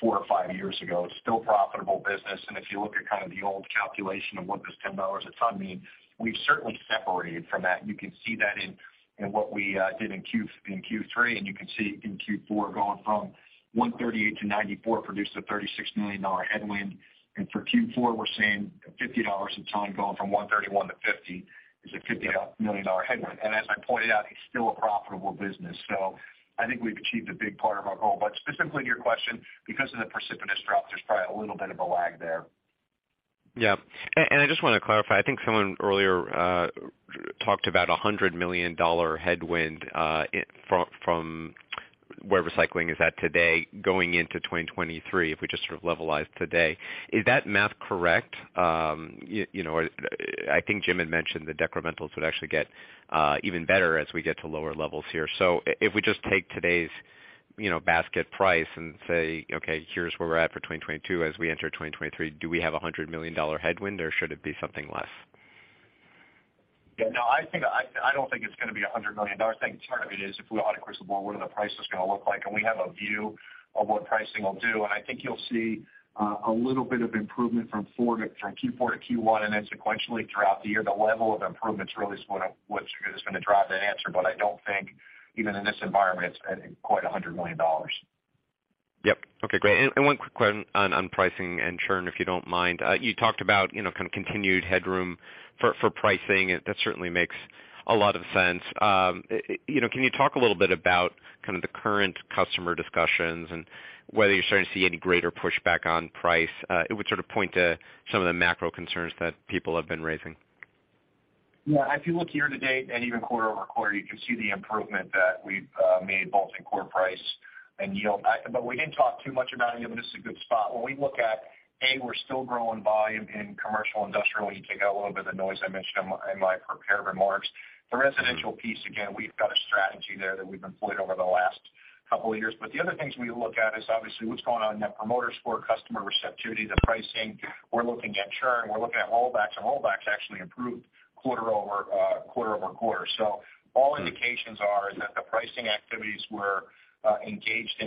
four or five years ago. It's still profitable business. If you look at kind of the old calculation of what does $10 a ton mean, we've certainly separated from that. You can see that in what we did in Q3, and you can see it in Q4 going from 138 to 94 produced a $36 million headwind. For Q4, we're seeing $50 million a ton going from 131 to 50 is a $50 million headwind. As I pointed out, it's still a profitable business. I think we've achieved a big part of our goal. Specifically to your question, because of the precipitous drop, there's probably a little bit of a lag there. Yeah. I just wanna clarify, I think someone earlier talked about a $100 million headwind from where recycling is at today going into 2023, if we just sort of levelized today. Is that math correct? You know, I think Jim had mentioned the decrementals would actually get even better as we get to lower levels here. If we just take today's, you know, basket price and say, "Okay, here's where we're at for 2022 as we enter 2023, do we have a $100 million headwind or should it be something less? Yeah, no, I don't think it's gonna be $100 million. I think part of it is if we audit crystal ball, what are the prices gonna look like? We have a view of what pricing will do, and I think you'll see a little bit of improvement from Q4 to Q1, and then sequentially throughout the year. The level of improvements really is what's gonna drive that answer, but I don't think even in this environment, it's quite $100 million. Yep. Okay, great. One quick question on pricing and churn, if you don't mind. You talked about, you know, kind of continued headroom for pricing. That certainly makes a lot of sense. You know, can you talk a little bit about kind of the current customer discussions and whether you're starting to see any greater pushback on price? It would sort of point to some of the macro concerns that people have been raising. Yeah. If you look year-to-date and even QoQ, you can see the improvement that we've made both in core price and yield. We didn't talk too much about yield, but this is a good spot. When we look at, we're still growing volume in commercial industrial, when you take out a little bit of the noise I mentioned in my prepared remarks. The residential piece, again, we've got a strategy there that we've employed over the last couple of years. The other things we look at is obviously what's going on Net Promoter Score, customer receptivity, the pricing. We're looking at churn, we're looking at rollbacks, and rollbacks actually improved quarter-over-quarter. All indications are that the pricing activities we're engaged in,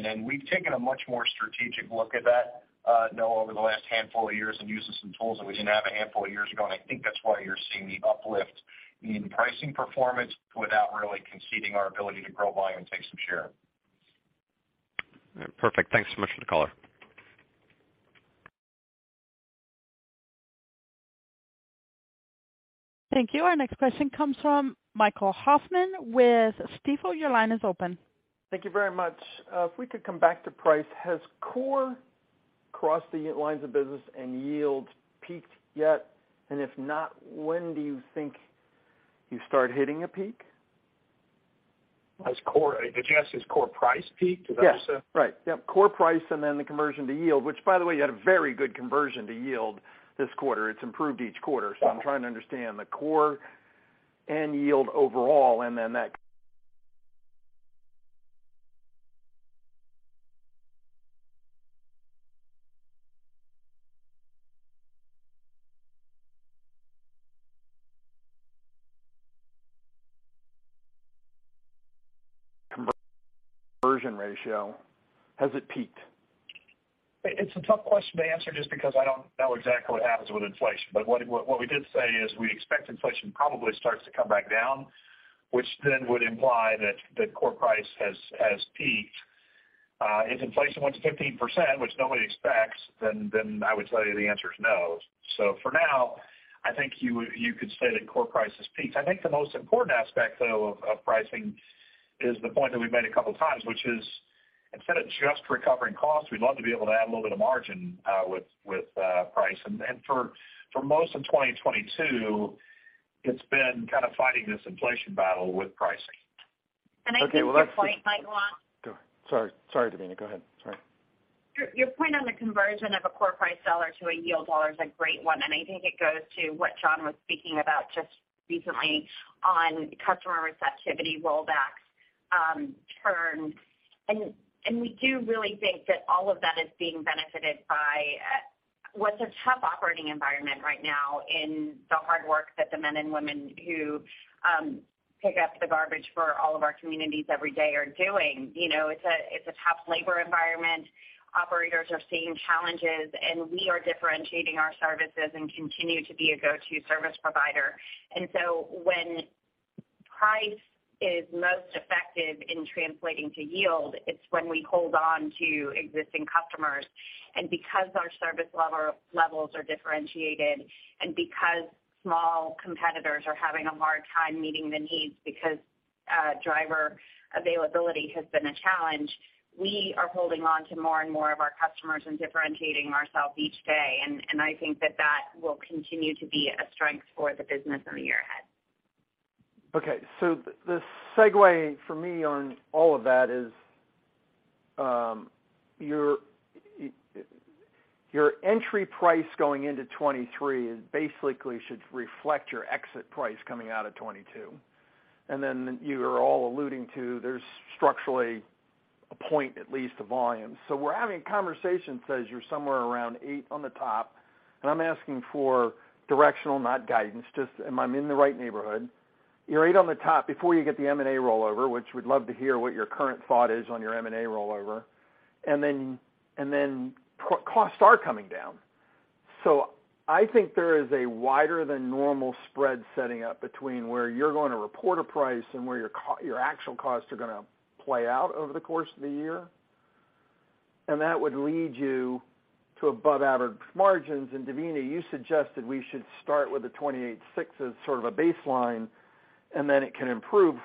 and we've taken a much more strategic look at that, Noah, over the last handful of years and uses some tools that we didn't have a handful of years ago, and I think that's why you're seeing the uplift in pricing performance without really conceding our ability to grow volume and take some share. All right. Perfect. Thanks so much for the color. Thank you. Our next question comes from Michael Hoffman with Stifel. Your line is open. Thank you very much. If we could come back to price, has core crossed the lines of business and yields peaked yet? If not, when do you think you start hitting a peak? Did you ask has core price peaked? Is that what you said? Yes. Right. Yep, core price and then the conversion to yield, which by the way, you had a very good conversion to yield this quarter. It's improved each quarter. I'm trying to understand the core and yield overall, and then that conversion ratio. Has it peaked? It's a tough question to answer just because I don't know exactly what happens with inflation. What we did say is we expect inflation probably starts to come back down, which then would imply that the core price has peaked. If inflation went to 15%, which nobody expects, then I would tell you the answer is no. For now, I think you could say that core price has peaked. I think the most important aspect, though, of pricing is the point that we've made a couple of times, which is instead of just recovering costs, we'd love to be able to add a little bit of margin with price. For most of 2022, it's been kind of fighting this inflation battle with pricing. I think your point, Mike, on Go. Sorry, Devina. Go ahead. Sorry. Your point on the conversion of a core price seller to a yield dollar is a great one, and I think it goes to what John was speaking about just recently on customer receptivity to rollbacks. We do really think that all of that is being benefited by what's a tough operating environment right now in the hard work that the men and women who pick up the garbage for all of our communities every day are doing. You know, it's a tough labor environment. Operators are seeing challenges, and we are differentiating our services and continue to be a go-to service provider. When price is most effective in translating to yield, it's when we hold on to existing customers. Because our service levels are differentiated, and because small competitors are having a hard time meeting the needs because driver availability has been a challenge, we are holding on to more and more of our customers and differentiating ourselves each day. I think that will continue to be a strength for the business in the year ahead. Okay. The segue for me on all of that is, your entry price going into 2023 basically should reflect your exit price coming out of 2022. You are alluding to there's structurally a point, at least, of volume. We're having a conversation says you're somewhere around 8% on the top, and I'm asking for directional, not guidance, just am I in the right neighborhood? You're 8% on the top before you get the M&A rollover, which we'd love to hear what your current thought is on your M&A rollover. Costs are coming down. I think there is a wider than normal spread setting up between where you're going to report a price and where your actual costs are gonna play out over the course of the year. That would lead you to above average margins. Devina, you suggested we should start with the 28.6% as sort of a baseline, and then it can improve.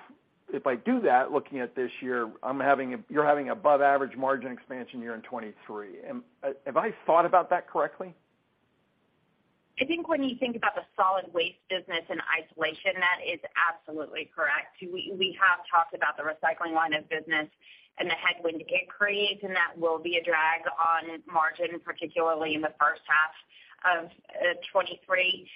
If I do that, looking at this year, you're having above average margin expansion year in 2023. Have I thought about that correctly? I think when you think about the solid waste business in isolation, that is absolutely correct. We have talked about the recycling line of business and the headwind it creates, and that will be a drag on margin, particularly in the first half of 2023.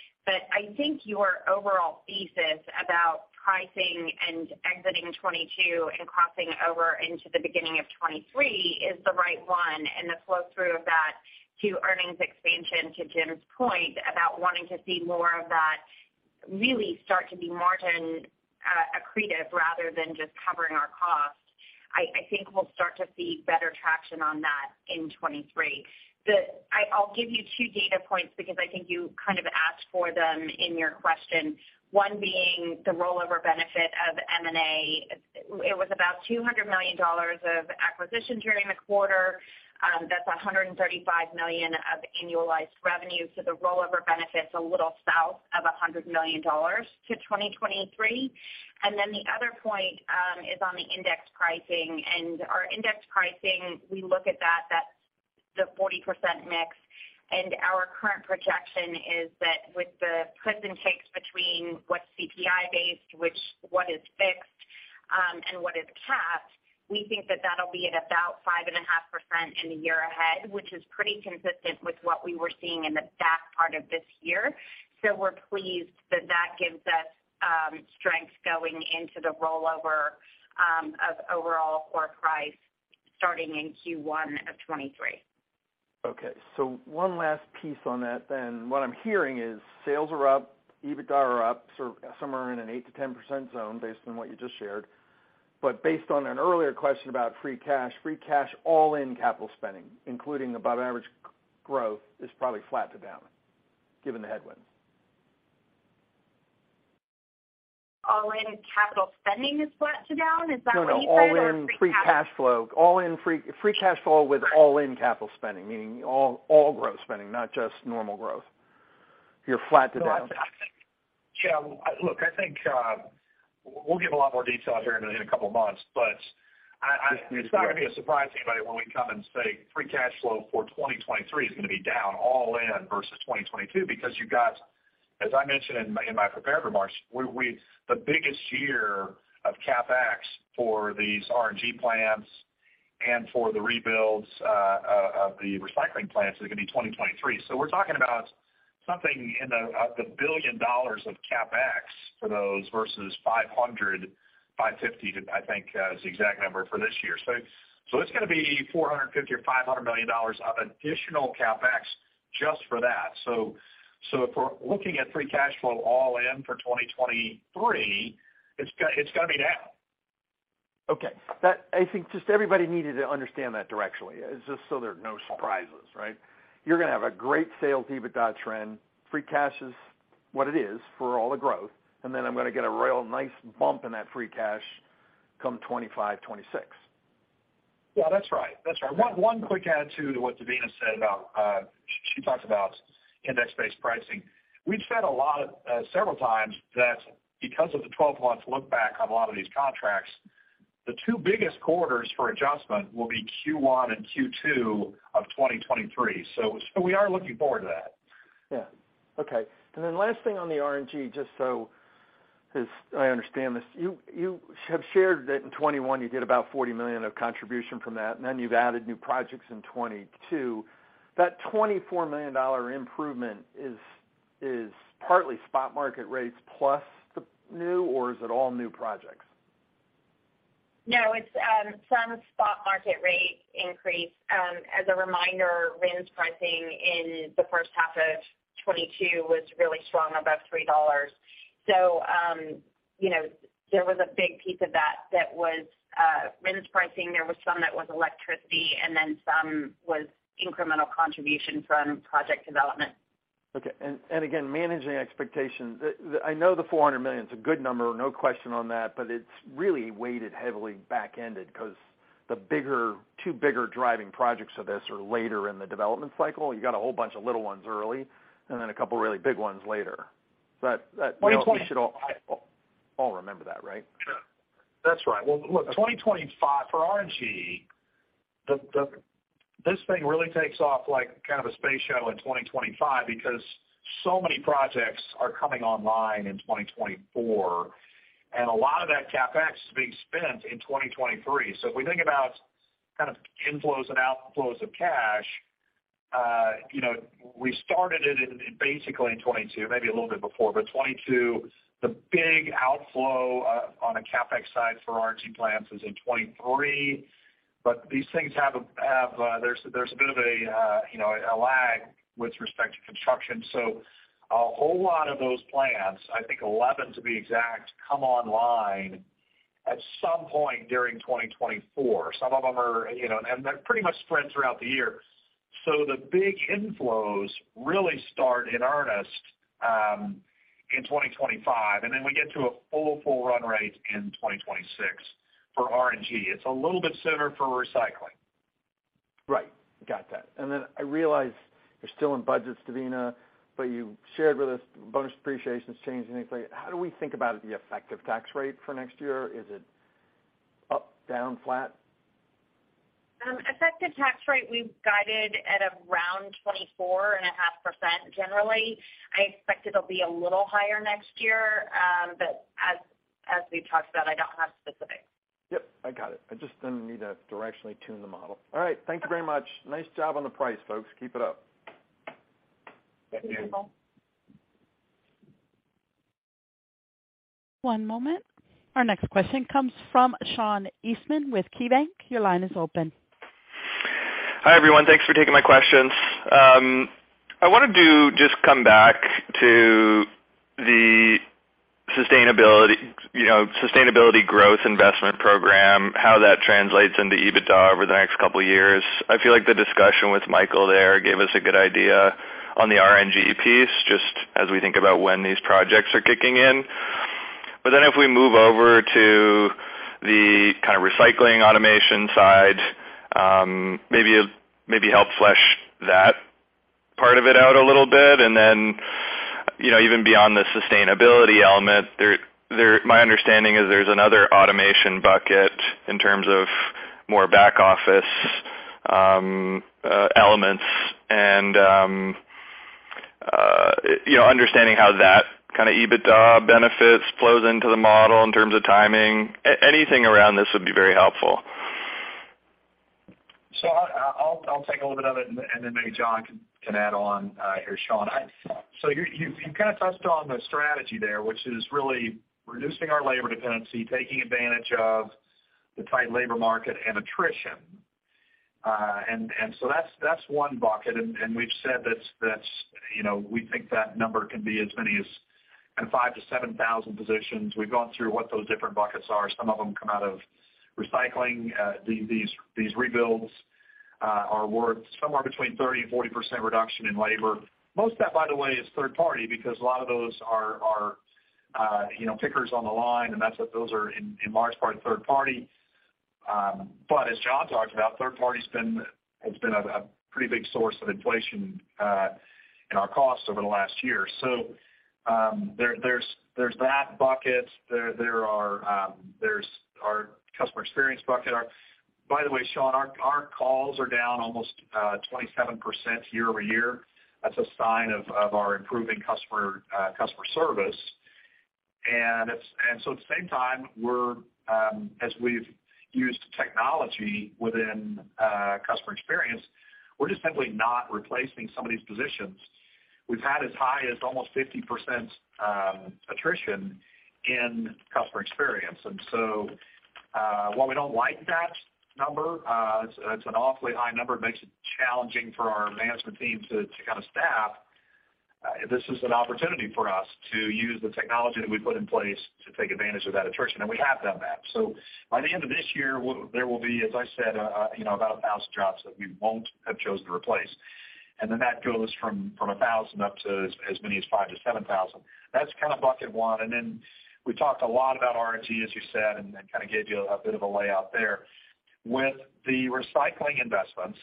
I think your overall thesis about pricing and exiting 2022 and crossing over into the beginning of 2023 is the right one. The flow through of that to earnings expansion, to Jim's point about wanting to see more of that really start to be margin accretive rather than just covering our costs. I think we'll start to see better traction on that in 2023. I'll give you two data points because I think you kind of asked for them in your question. One being the rollover benefit of M&A. It was about $200 million of acquisition during the quarter. That's $135 million of annualized revenue. The rollover benefit's a little south of $100 million to 2023. The other point is on the index pricing. Our index pricing, we look at that's the 40% mix. Our current projection is that with the twists and shakes between what's CPI-based, which is fixed, and what is capped, we think that that'll be at about 5.5% in the year ahead, which is pretty consistent with what we were seeing in the back part of this year. We're pleased that that gives us strength going into the rollover of overall core price starting in Q1 of 2023. Okay. One last piece on that then. What I'm hearing is sales are up, EBITDA are up, sort of somewhere in an 8%-10% zone based on what you just shared. Based on an earlier question about free cash, free cash all in capital spending, including above average growth, is probably flat to down, given the headwinds. All-in capital spending is flat to down? Is that what you said? No, no. All in free cash flow. All in free cash flow with all in capital spending, meaning all growth spending, not just normal growth. You're flat to down. No, I think. Yeah, look, I think we'll give a lot more detail here in a couple of months, but I- Yes, you will. It's not gonna be a surprise to anybody when we come and say free cash flow for 2023 is gonna be down all in versus 2022 because you've got, as I mentioned in my prepared remarks, the biggest year of CapEx for these RNG plants and for the rebuilds of the recycling plants is gonna be 2023. We're talking about something on the order of $1 billion of CapEx for those versus $550 million, I think, is the exact number for this year. It's gonna be $450 million or $500 million of additional CapEx just for that. If we're looking at free cash flow all in for 2023, it's gonna be down. Okay. I think just everybody needed to understand that directionally. It's just so there are no surprises, right? You're gonna have a great solid EBITDA trend. Free cash is what it is for all the growth, and then I'm gonna get a real nice bump in that free cash come 2025, 2026. Yeah, that's right. That's right. One quick add to what Devina said about, she talked about index-based pricing. We've said a lot, several times that because of the 12 months look back on a lot of these contracts, the two biggest quarters for adjustment will be Q1 and Q2 of 2023. So we are looking forward to that. Last thing on the RNG, just so I understand this, you have shared that in 2021 you did about $40 million of contribution from that, and then you've added new projects in 2022. That $24 million improvement is partly spot market rates plus the new, or is it all new projects? No, it's some spot market rate increase. As a reminder, RINs pricing in the first half of 2022 was really strong above $3. You know, there was a big piece of that was RINs pricing. There was some that was electricity, and then some was incremental contribution from project development. Okay. Again, managing expectations. I know the $400 million, it's a good number, no question on that, but it's really weighted heavily back-ended 'cause the two bigger driving projects of this are later in the development cycle. You got a whole bunch of little ones early and then a couple really big ones later. 2020- We should all remember that, right? Sure. That's right. Well, look, 2025 for RNG, this thing really takes off like kind of a space shuttle in 2025 because so many projects are coming online in 2024, and a lot of that CapEx is being spent in 2023. If we think about kind of inflows and outflows of cash, you know, we started it in basically in 2022, maybe a little bit before, but 2022, the big outflow on a CapEx side for RNG plants is in 2023. These things have there's a bit of a you know, a lag with respect to construction. A whole lot of those plants, I think 11 to be exact, come online at some point during 2024. Some of them are, you know, and they're pretty much spread throughout the year. The big inflows really start in earnest in 2025, and then we get to a full run rate in 2026 for RNG. It's a little bit sooner for recycling. Right. Got that. I realize you're still in budgets, Devina, but you shared with us bonus depreciation is changing things. How do we think about the effective tax rate for next year? Is it up, down, flat? Effective tax rate we've guided at around 24.5% generally. I expect it'll be a little higher next year. As we've talked about, I don't have specifics. Yep. I got it. I just then need to directionally tune the model. All right. Thank you very much. Nice job on the price, folks. Keep it up. Thank you. Thank you. One moment. Our next question comes from Sean Eastman with KeyBank. Your line is open. Hi, everyone. Thanks for taking my questions. I wanted to just come back to the sustainability, you know, sustainability growth investment program, how that translates into EBITDA over the next couple years. I feel like the discussion with Michael there gave us a good idea on the RNG piece, just as we think about when these projects are kicking in. If we move over to the kind of recycling automation side, maybe help flesh that part of it out a little bit. Even beyond the sustainability element, my understanding is there's another automation bucket in terms of more back office elements and, you know, understanding how that kind of EBITDA benefits flows into the model in terms of timing. Anything around this would be very helpful. I’ll take a little bit of it and then maybe John can add on here, Sean. You’ve kind of touched on the strategy there, which is really reducing our labor dependency, taking advantage of the tight labor market and attrition. That’s one bucket. We’ve said that’s, you know, we think that number can be as many as kind of 5,000-7,000 positions. We’ve gone through what those different buckets are. Some of them come out of recycling. These rebuilds are worth somewhere between 30%-40% reduction in labor. Most of that, by the way, is third party because a lot of those are pickers on the line, and that’s what those are in large part third party. As John talked about, third party has been a pretty big source of inflation in our costs over the last year. There's that bucket. There's our customer experience bucket. By the way, Sean, our calls are down almost 27% YoY. That's a sign of our improving customer service. At the same time, as we've used technology within customer experience, we're just simply not replacing some of these positions. We've had as high as almost 50% attrition in customer experience. While we don't like that number, it's an awfully high number. It makes it challenging for our management team to kind of staff. This is an opportunity for us to use the technology that we put in place to take advantage of that attrition, and we have done that. By the end of this year, there will be, as I said, you know, about 1,000 jobs that we won't have chosen to replace. Then that goes from a thousand up to as many as 5,000-7,000. That's kind of bucket one. Then we talked a lot about RNG, as you said, and kind of gave you a bit of a layout there. With the recycling investments,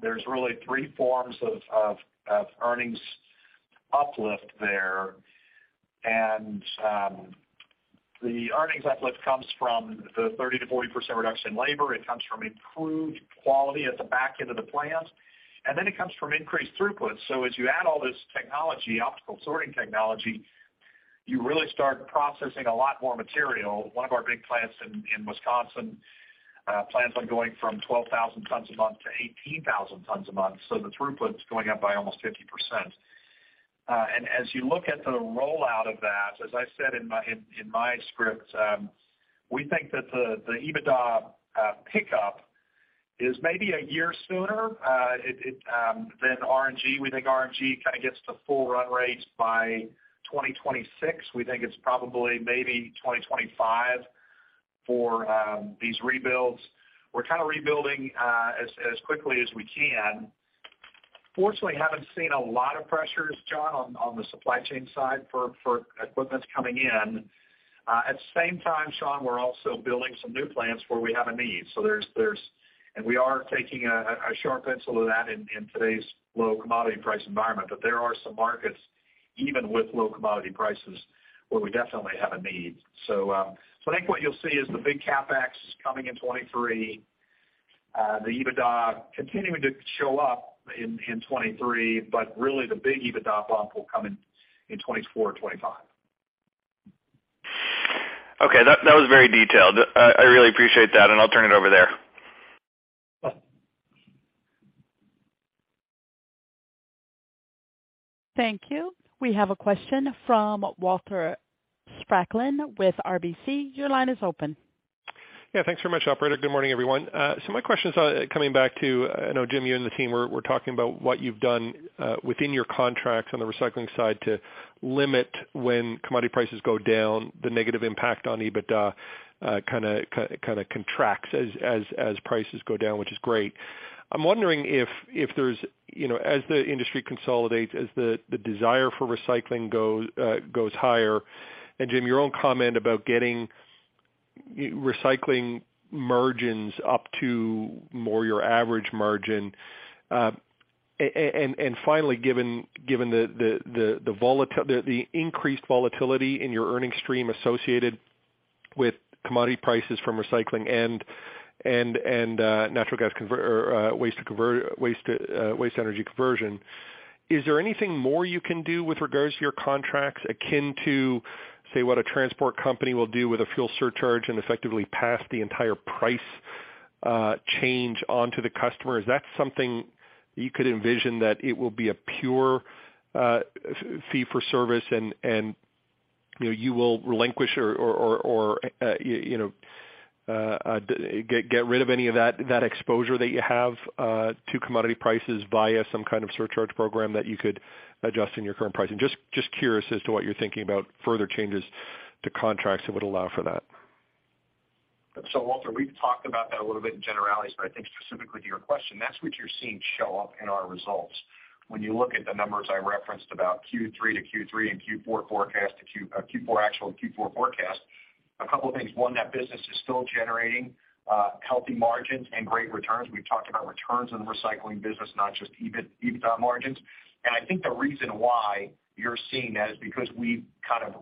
there's really three forms of earnings uplift there. The earnings uplift comes from the 30%-40% reduction in labor. It comes from improved quality at the back end of the plant, and then it comes from increased throughput. As you add all this technology, optical sorting technology, you really start processing a lot more material. One of our big plants in Wisconsin plans on going from 12,000 tons a month to 18,000 tons a month. The throughput is going up by almost 50%. As you look at the rollout of that, as I said in my script, we think that the EBITDA pickup is maybe a year sooner than RNG. We think RNG kind of gets to full run rate by 2026. We think it's probably maybe 2025 for these rebuilds. We're kind of rebuilding as quickly as we can. Fortunately, haven't seen a lot of pressures, John, on the supply chain side for equipment coming in. At the same time, Sean, we're also building some new plants where we have a need. We are taking a sharp pencil to that in today's low commodity price environment. There are some markets, even with low commodity prices, where we definitely have a need. I think what you'll see is the big CapEx coming in 2023, the EBITDA continuing to show up in 2023, but really the big EBITDA bump will come in 2024 or 2025. Okay. That was very detailed. I really appreciate that, and I'll turn it over there. Yeah. Thank you. We have a question from Walter Spracklin with RBC. Your line is open. Yeah, thanks very much, operator. Good morning, everyone. My question is coming back to, I know, Jim, you and the team were talking about what you've done within your contracts on the recycling side to limit when commodity prices go down, the negative impact on EBITDA, kinda contracts as prices go down, which is great. I'm wondering if there's, you know, as the industry consolidates, as the desire for recycling goes higher, and Jim, your own comment about getting your recycling margins up to more your average margin. Finally, given the increased volatility in your earnings stream associated with commodity prices from recycling and natural gas conversion or waste-to-energy conversion, is there anything more you can do with regards to your contracts akin to, say, what a transport company will do with a fuel surcharge and effectively pass the entire price change on to the customer? Is that something you could envision that it will be a pure fee-for-service and, you know, you will relinquish or get rid of any of that exposure that you have to commodity prices via some kind of surcharge program that you could adjust in your current pricing? Just curious as to what you're thinking about further changes to contracts that would allow for that? Walter, we've talked about that a little bit in generalities, but I think specifically to your question, that's what you're seeing show up in our results. When you look at the numbers I referenced about Q3 to Q3 and Q4 forecast to Q4 actual and Q4 forecast, a couple of things. One, that business is still generating healthy margins and great returns. We've talked about returns in the recycling business, not just EBIT, EBITDA margins. I think the reason why you're seeing that is because we've kind of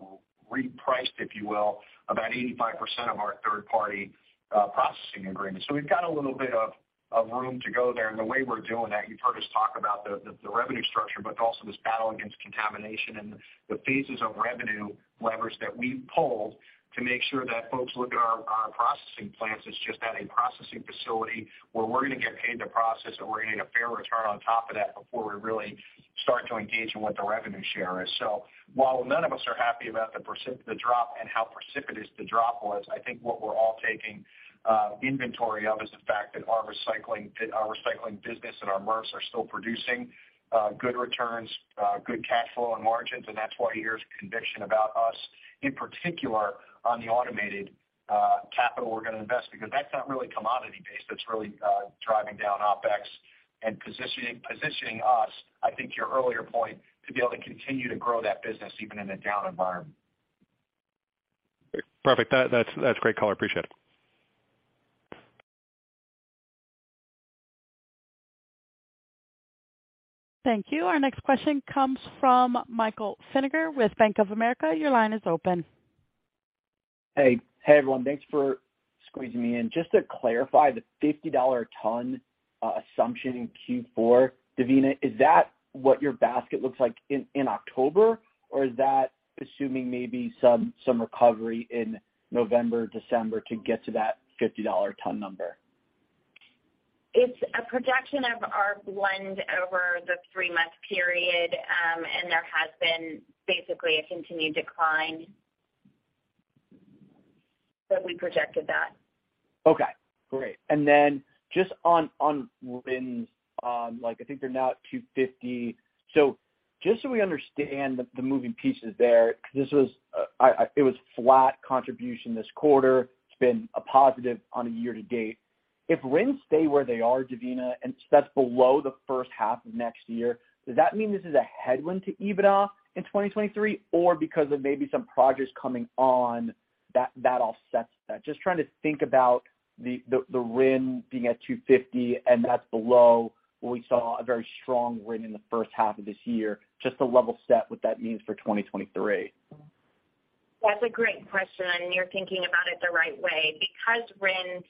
repriced, if you will, about 85% of our third-party processing agreements. We've got a little bit of room to go there. The way we're doing that, you've heard us talk about the revenue structure, but also this battle against contamination and the phases of revenue levers that we've pulled to make sure that folks look at our processing plants as just adding processing facility, where we're gonna get paid to process and we're gonna get a fair return on top of that before we really start to engage in what the revenue share is. While none of us are happy about the drop and how precipitous the drop was, I think what we're all taking inventory of is the fact that our recycling business and our MRFs are still producing good returns, good cash flow and margins. That's why you hear conviction about us, in particular on the automated capital we're gonna invest, because that's not really commodity-based. That's really driving down OpEx and positioning us, I think your earlier point, to be able to continue to grow that business even in a down environment. Perfect. That's great color. Appreciate it. Thank you. Our next question comes from Michael Feniger with Bank of America. Your line is open. Hey. Hey, everyone. Thanks for squeezing me in. Just to clarify the $50 a ton assumption in Q4, Devina, is that what your basket looks like in October? Or is that assuming maybe some recovery in November, December to get to that $50 a ton number? It's a projection of our blend over the three-month period, and there has been basically a continued decline, so we projected that. Okay, great. Just on RINs, like I think they're now at $2.50. Just so we understand the moving pieces there, because it was flat contribution this quarter. It's been a positive on a year-to-date. If RINs stay where they are, Devina, and that's below the first half of next year, does that mean this is a headwind to EBITDA in 2023, or because of maybe some projects coming on that offsets that? Just trying to think about the RIN being at $2.50, and that's below what we saw, a very strong RIN in the first half of this year. Just to level set what that means for 2023. That's a great question, and you're thinking about it the right way. Because RINs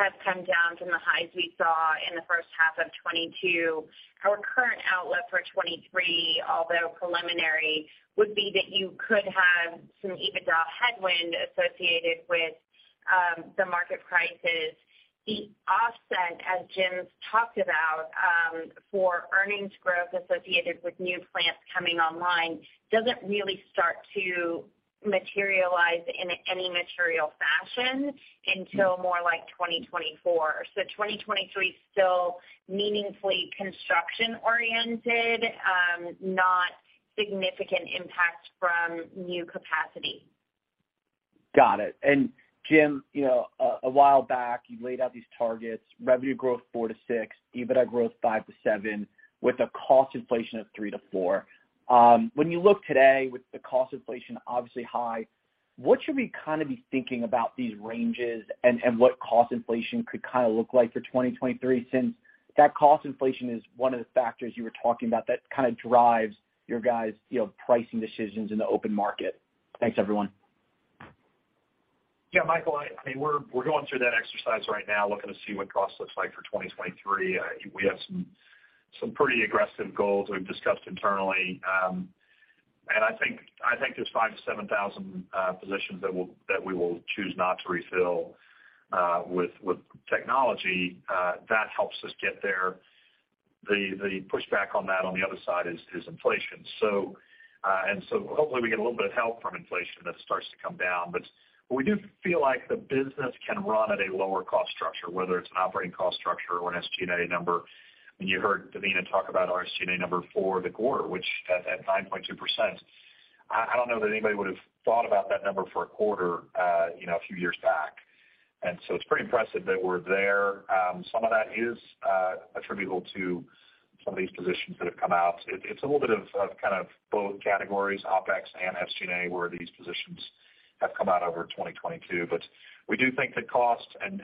has come down from the highs we saw in the first half of 2022, our current outlook for 2023, although preliminary, would be that you could have some EBITDA headwind associated with the market prices. The offset, as Jim's talked about, for earnings growth associated with new plants coming online, doesn't really start to materialize in any material fashion until more like 2024. 2023 is still meaningfully construction-oriented, not significant impact from new capacity. Got it. Jim, you know, a while back, you laid out these targets: revenue growth 4%-6%, EBITDA growth 5%-7%, with a cost inflation of 3%-4%. When you look today with the cost inflation obviously high, what should we kinda be thinking about these ranges and what cost inflation could kinda look like for 2023 since that cost inflation is one of the factors you were talking about that kinda drives your guys, you know, pricing decisions in the open market? Thanks, everyone. Yeah, Michael, I mean, we're going through that exercise right now, looking to see what cost looks like for 2023. We have some pretty aggressive goals we've discussed internally. I think there's 5,000-7,000 positions that we will choose not to refill with technology. That helps us get there. The pushback on that on the other side is inflation. Hopefully we get a little bit of help from inflation that starts to come down. We do feel like the business can run at a lower cost structure, whether it's an operating cost structure or an SG&A number. You heard Devina talk about our SG&A number for the quarter, which at 9.2%, I don't know that anybody would have thought about that number for a quarter, you know, a few years back. It's pretty impressive that we're there. Some of that is attributable to some of these positions that have come out. It's a little bit of kind of both categories, OpEx and SG&A, where these positions have come out over 2022. We do think that cost and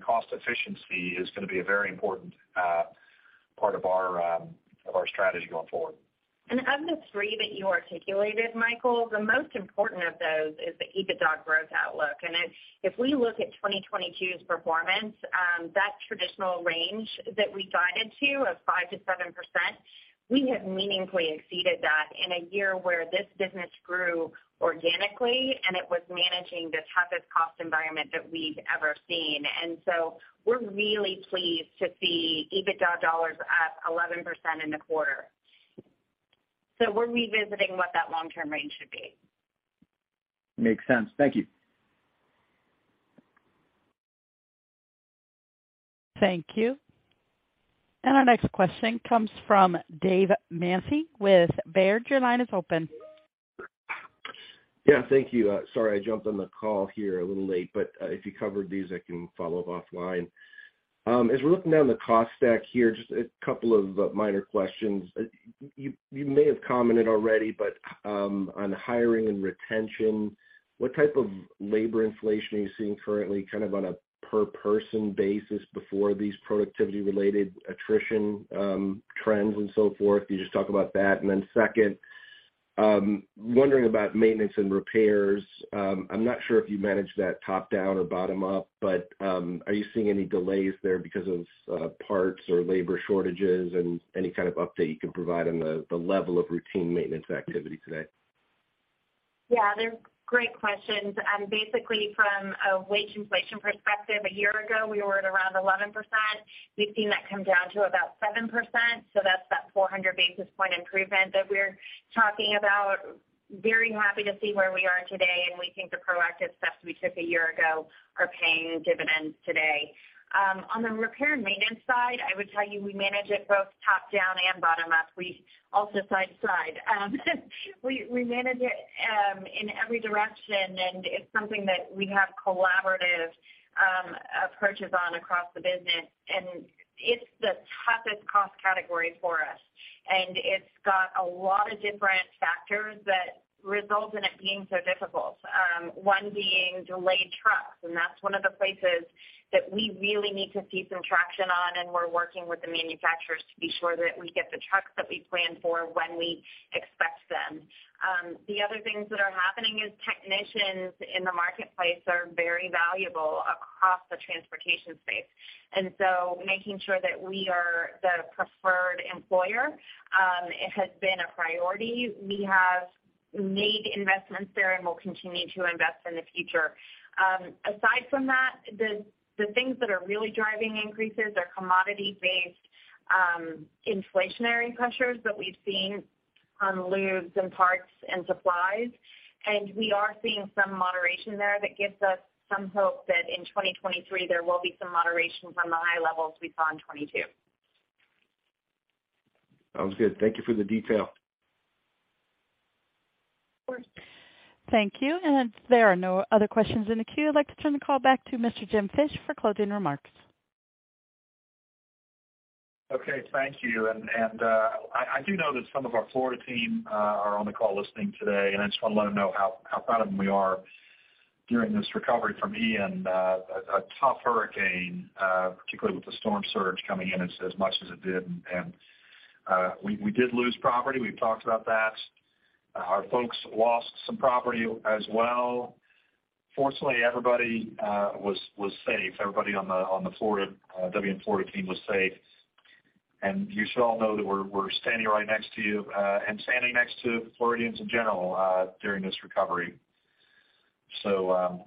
cost efficiency is gonna be a very important part of our strategy going forward. Of the three that you articulated, Michael, the most important of those is the EBITDA growth outlook. If we look at 2022's performance, that traditional range that we guided to of 5%-7%, we have meaningfully exceeded that in a year where this business grew organically, and it was managing the toughest cost environment that we've ever seen. We're really pleased to see EBITDA dollars up 11% in the quarter. We're revisiting what that long-term range should be. Makes sense. Thank you. Thank you. Our next question comes from David Manthey with Baird. Your line is open. Yeah, thank you. Sorry, I jumped on the call here a little late, but if you covered these, I can follow up offline. As we're looking down the cost stack here, just a couple of minor questions. You may have commented already, but on hiring and retention, what type of labor inflation are you seeing currently, kind of on a per person basis before these productivity-related attrition trends and so forth? You just talk about that. Then second, wondering about maintenance and repairs. I'm not sure if you manage that top-down or bottom-up, but are you seeing any delays there because of parts or labor shortages and any kind of update you can provide on the level of routine maintenance activity today? Yeah, they're great questions. Basically, from a wage inflation perspective, a year ago, we were at around 11%. We've seen that come down to about 7%. That's that 400 basis point improvement that we're talking about. Very happy to see where we are today, and we think the proactive steps we took a year ago are paying dividends today. On the repair and maintenance side, I would tell you we manage it both top-down and bottom-up. We manage it in every direction, and it's something that we have collaborative approaches on across the business, and it's the toughest cost category for us. It's got a lot of different factors that result in it being so difficult, one being delayed trucks, and that's one of the places that we really need to see some traction on, and we're working with the manufacturers to be sure that we get the trucks that we plan for when we expect them. The other things that are happening is technicians in the marketplace are very valuable across the transportation space. So making sure that we are the preferred employer has been a priority. We have made investments there and will continue to invest in the future. Aside from that, the things that are really driving increases are commodity-based inflationary pressures that we've seen on lubes and parts and supplies. We are seeing some moderation there that gives us some hope that in 2023, there will be some moderation from the high levels we saw in 2022. Sounds good. Thank you for the detail. Of course. Thank you. There are no other questions in the queue. I'd like to turn the call back to Mr. Jim Fish for closing remarks. Okay, thank you. I do know that some of our Florida team are on the call listening today, and I just wanna let them know how proud of them we are during this recovery from Hurricane Ian. A tough hurricane, particularly with the storm surge coming in as much as it did. We did lose property. We've talked about that. Our folks lost some property as well. Fortunately, everybody was safe. Everybody on the Florida WM Florida team was safe. You should all know that we're standing right next to you and standing next to Floridians in general during this recovery.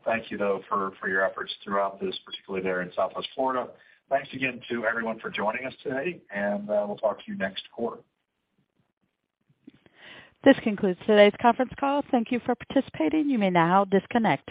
Thank you, though, for your efforts throughout this, particularly there in Southwest Florida.Thanks again to everyone for joining us today, and we'll talk to you next quarter. This concludes today's conference call. Thank you for participating. You may now disconnect.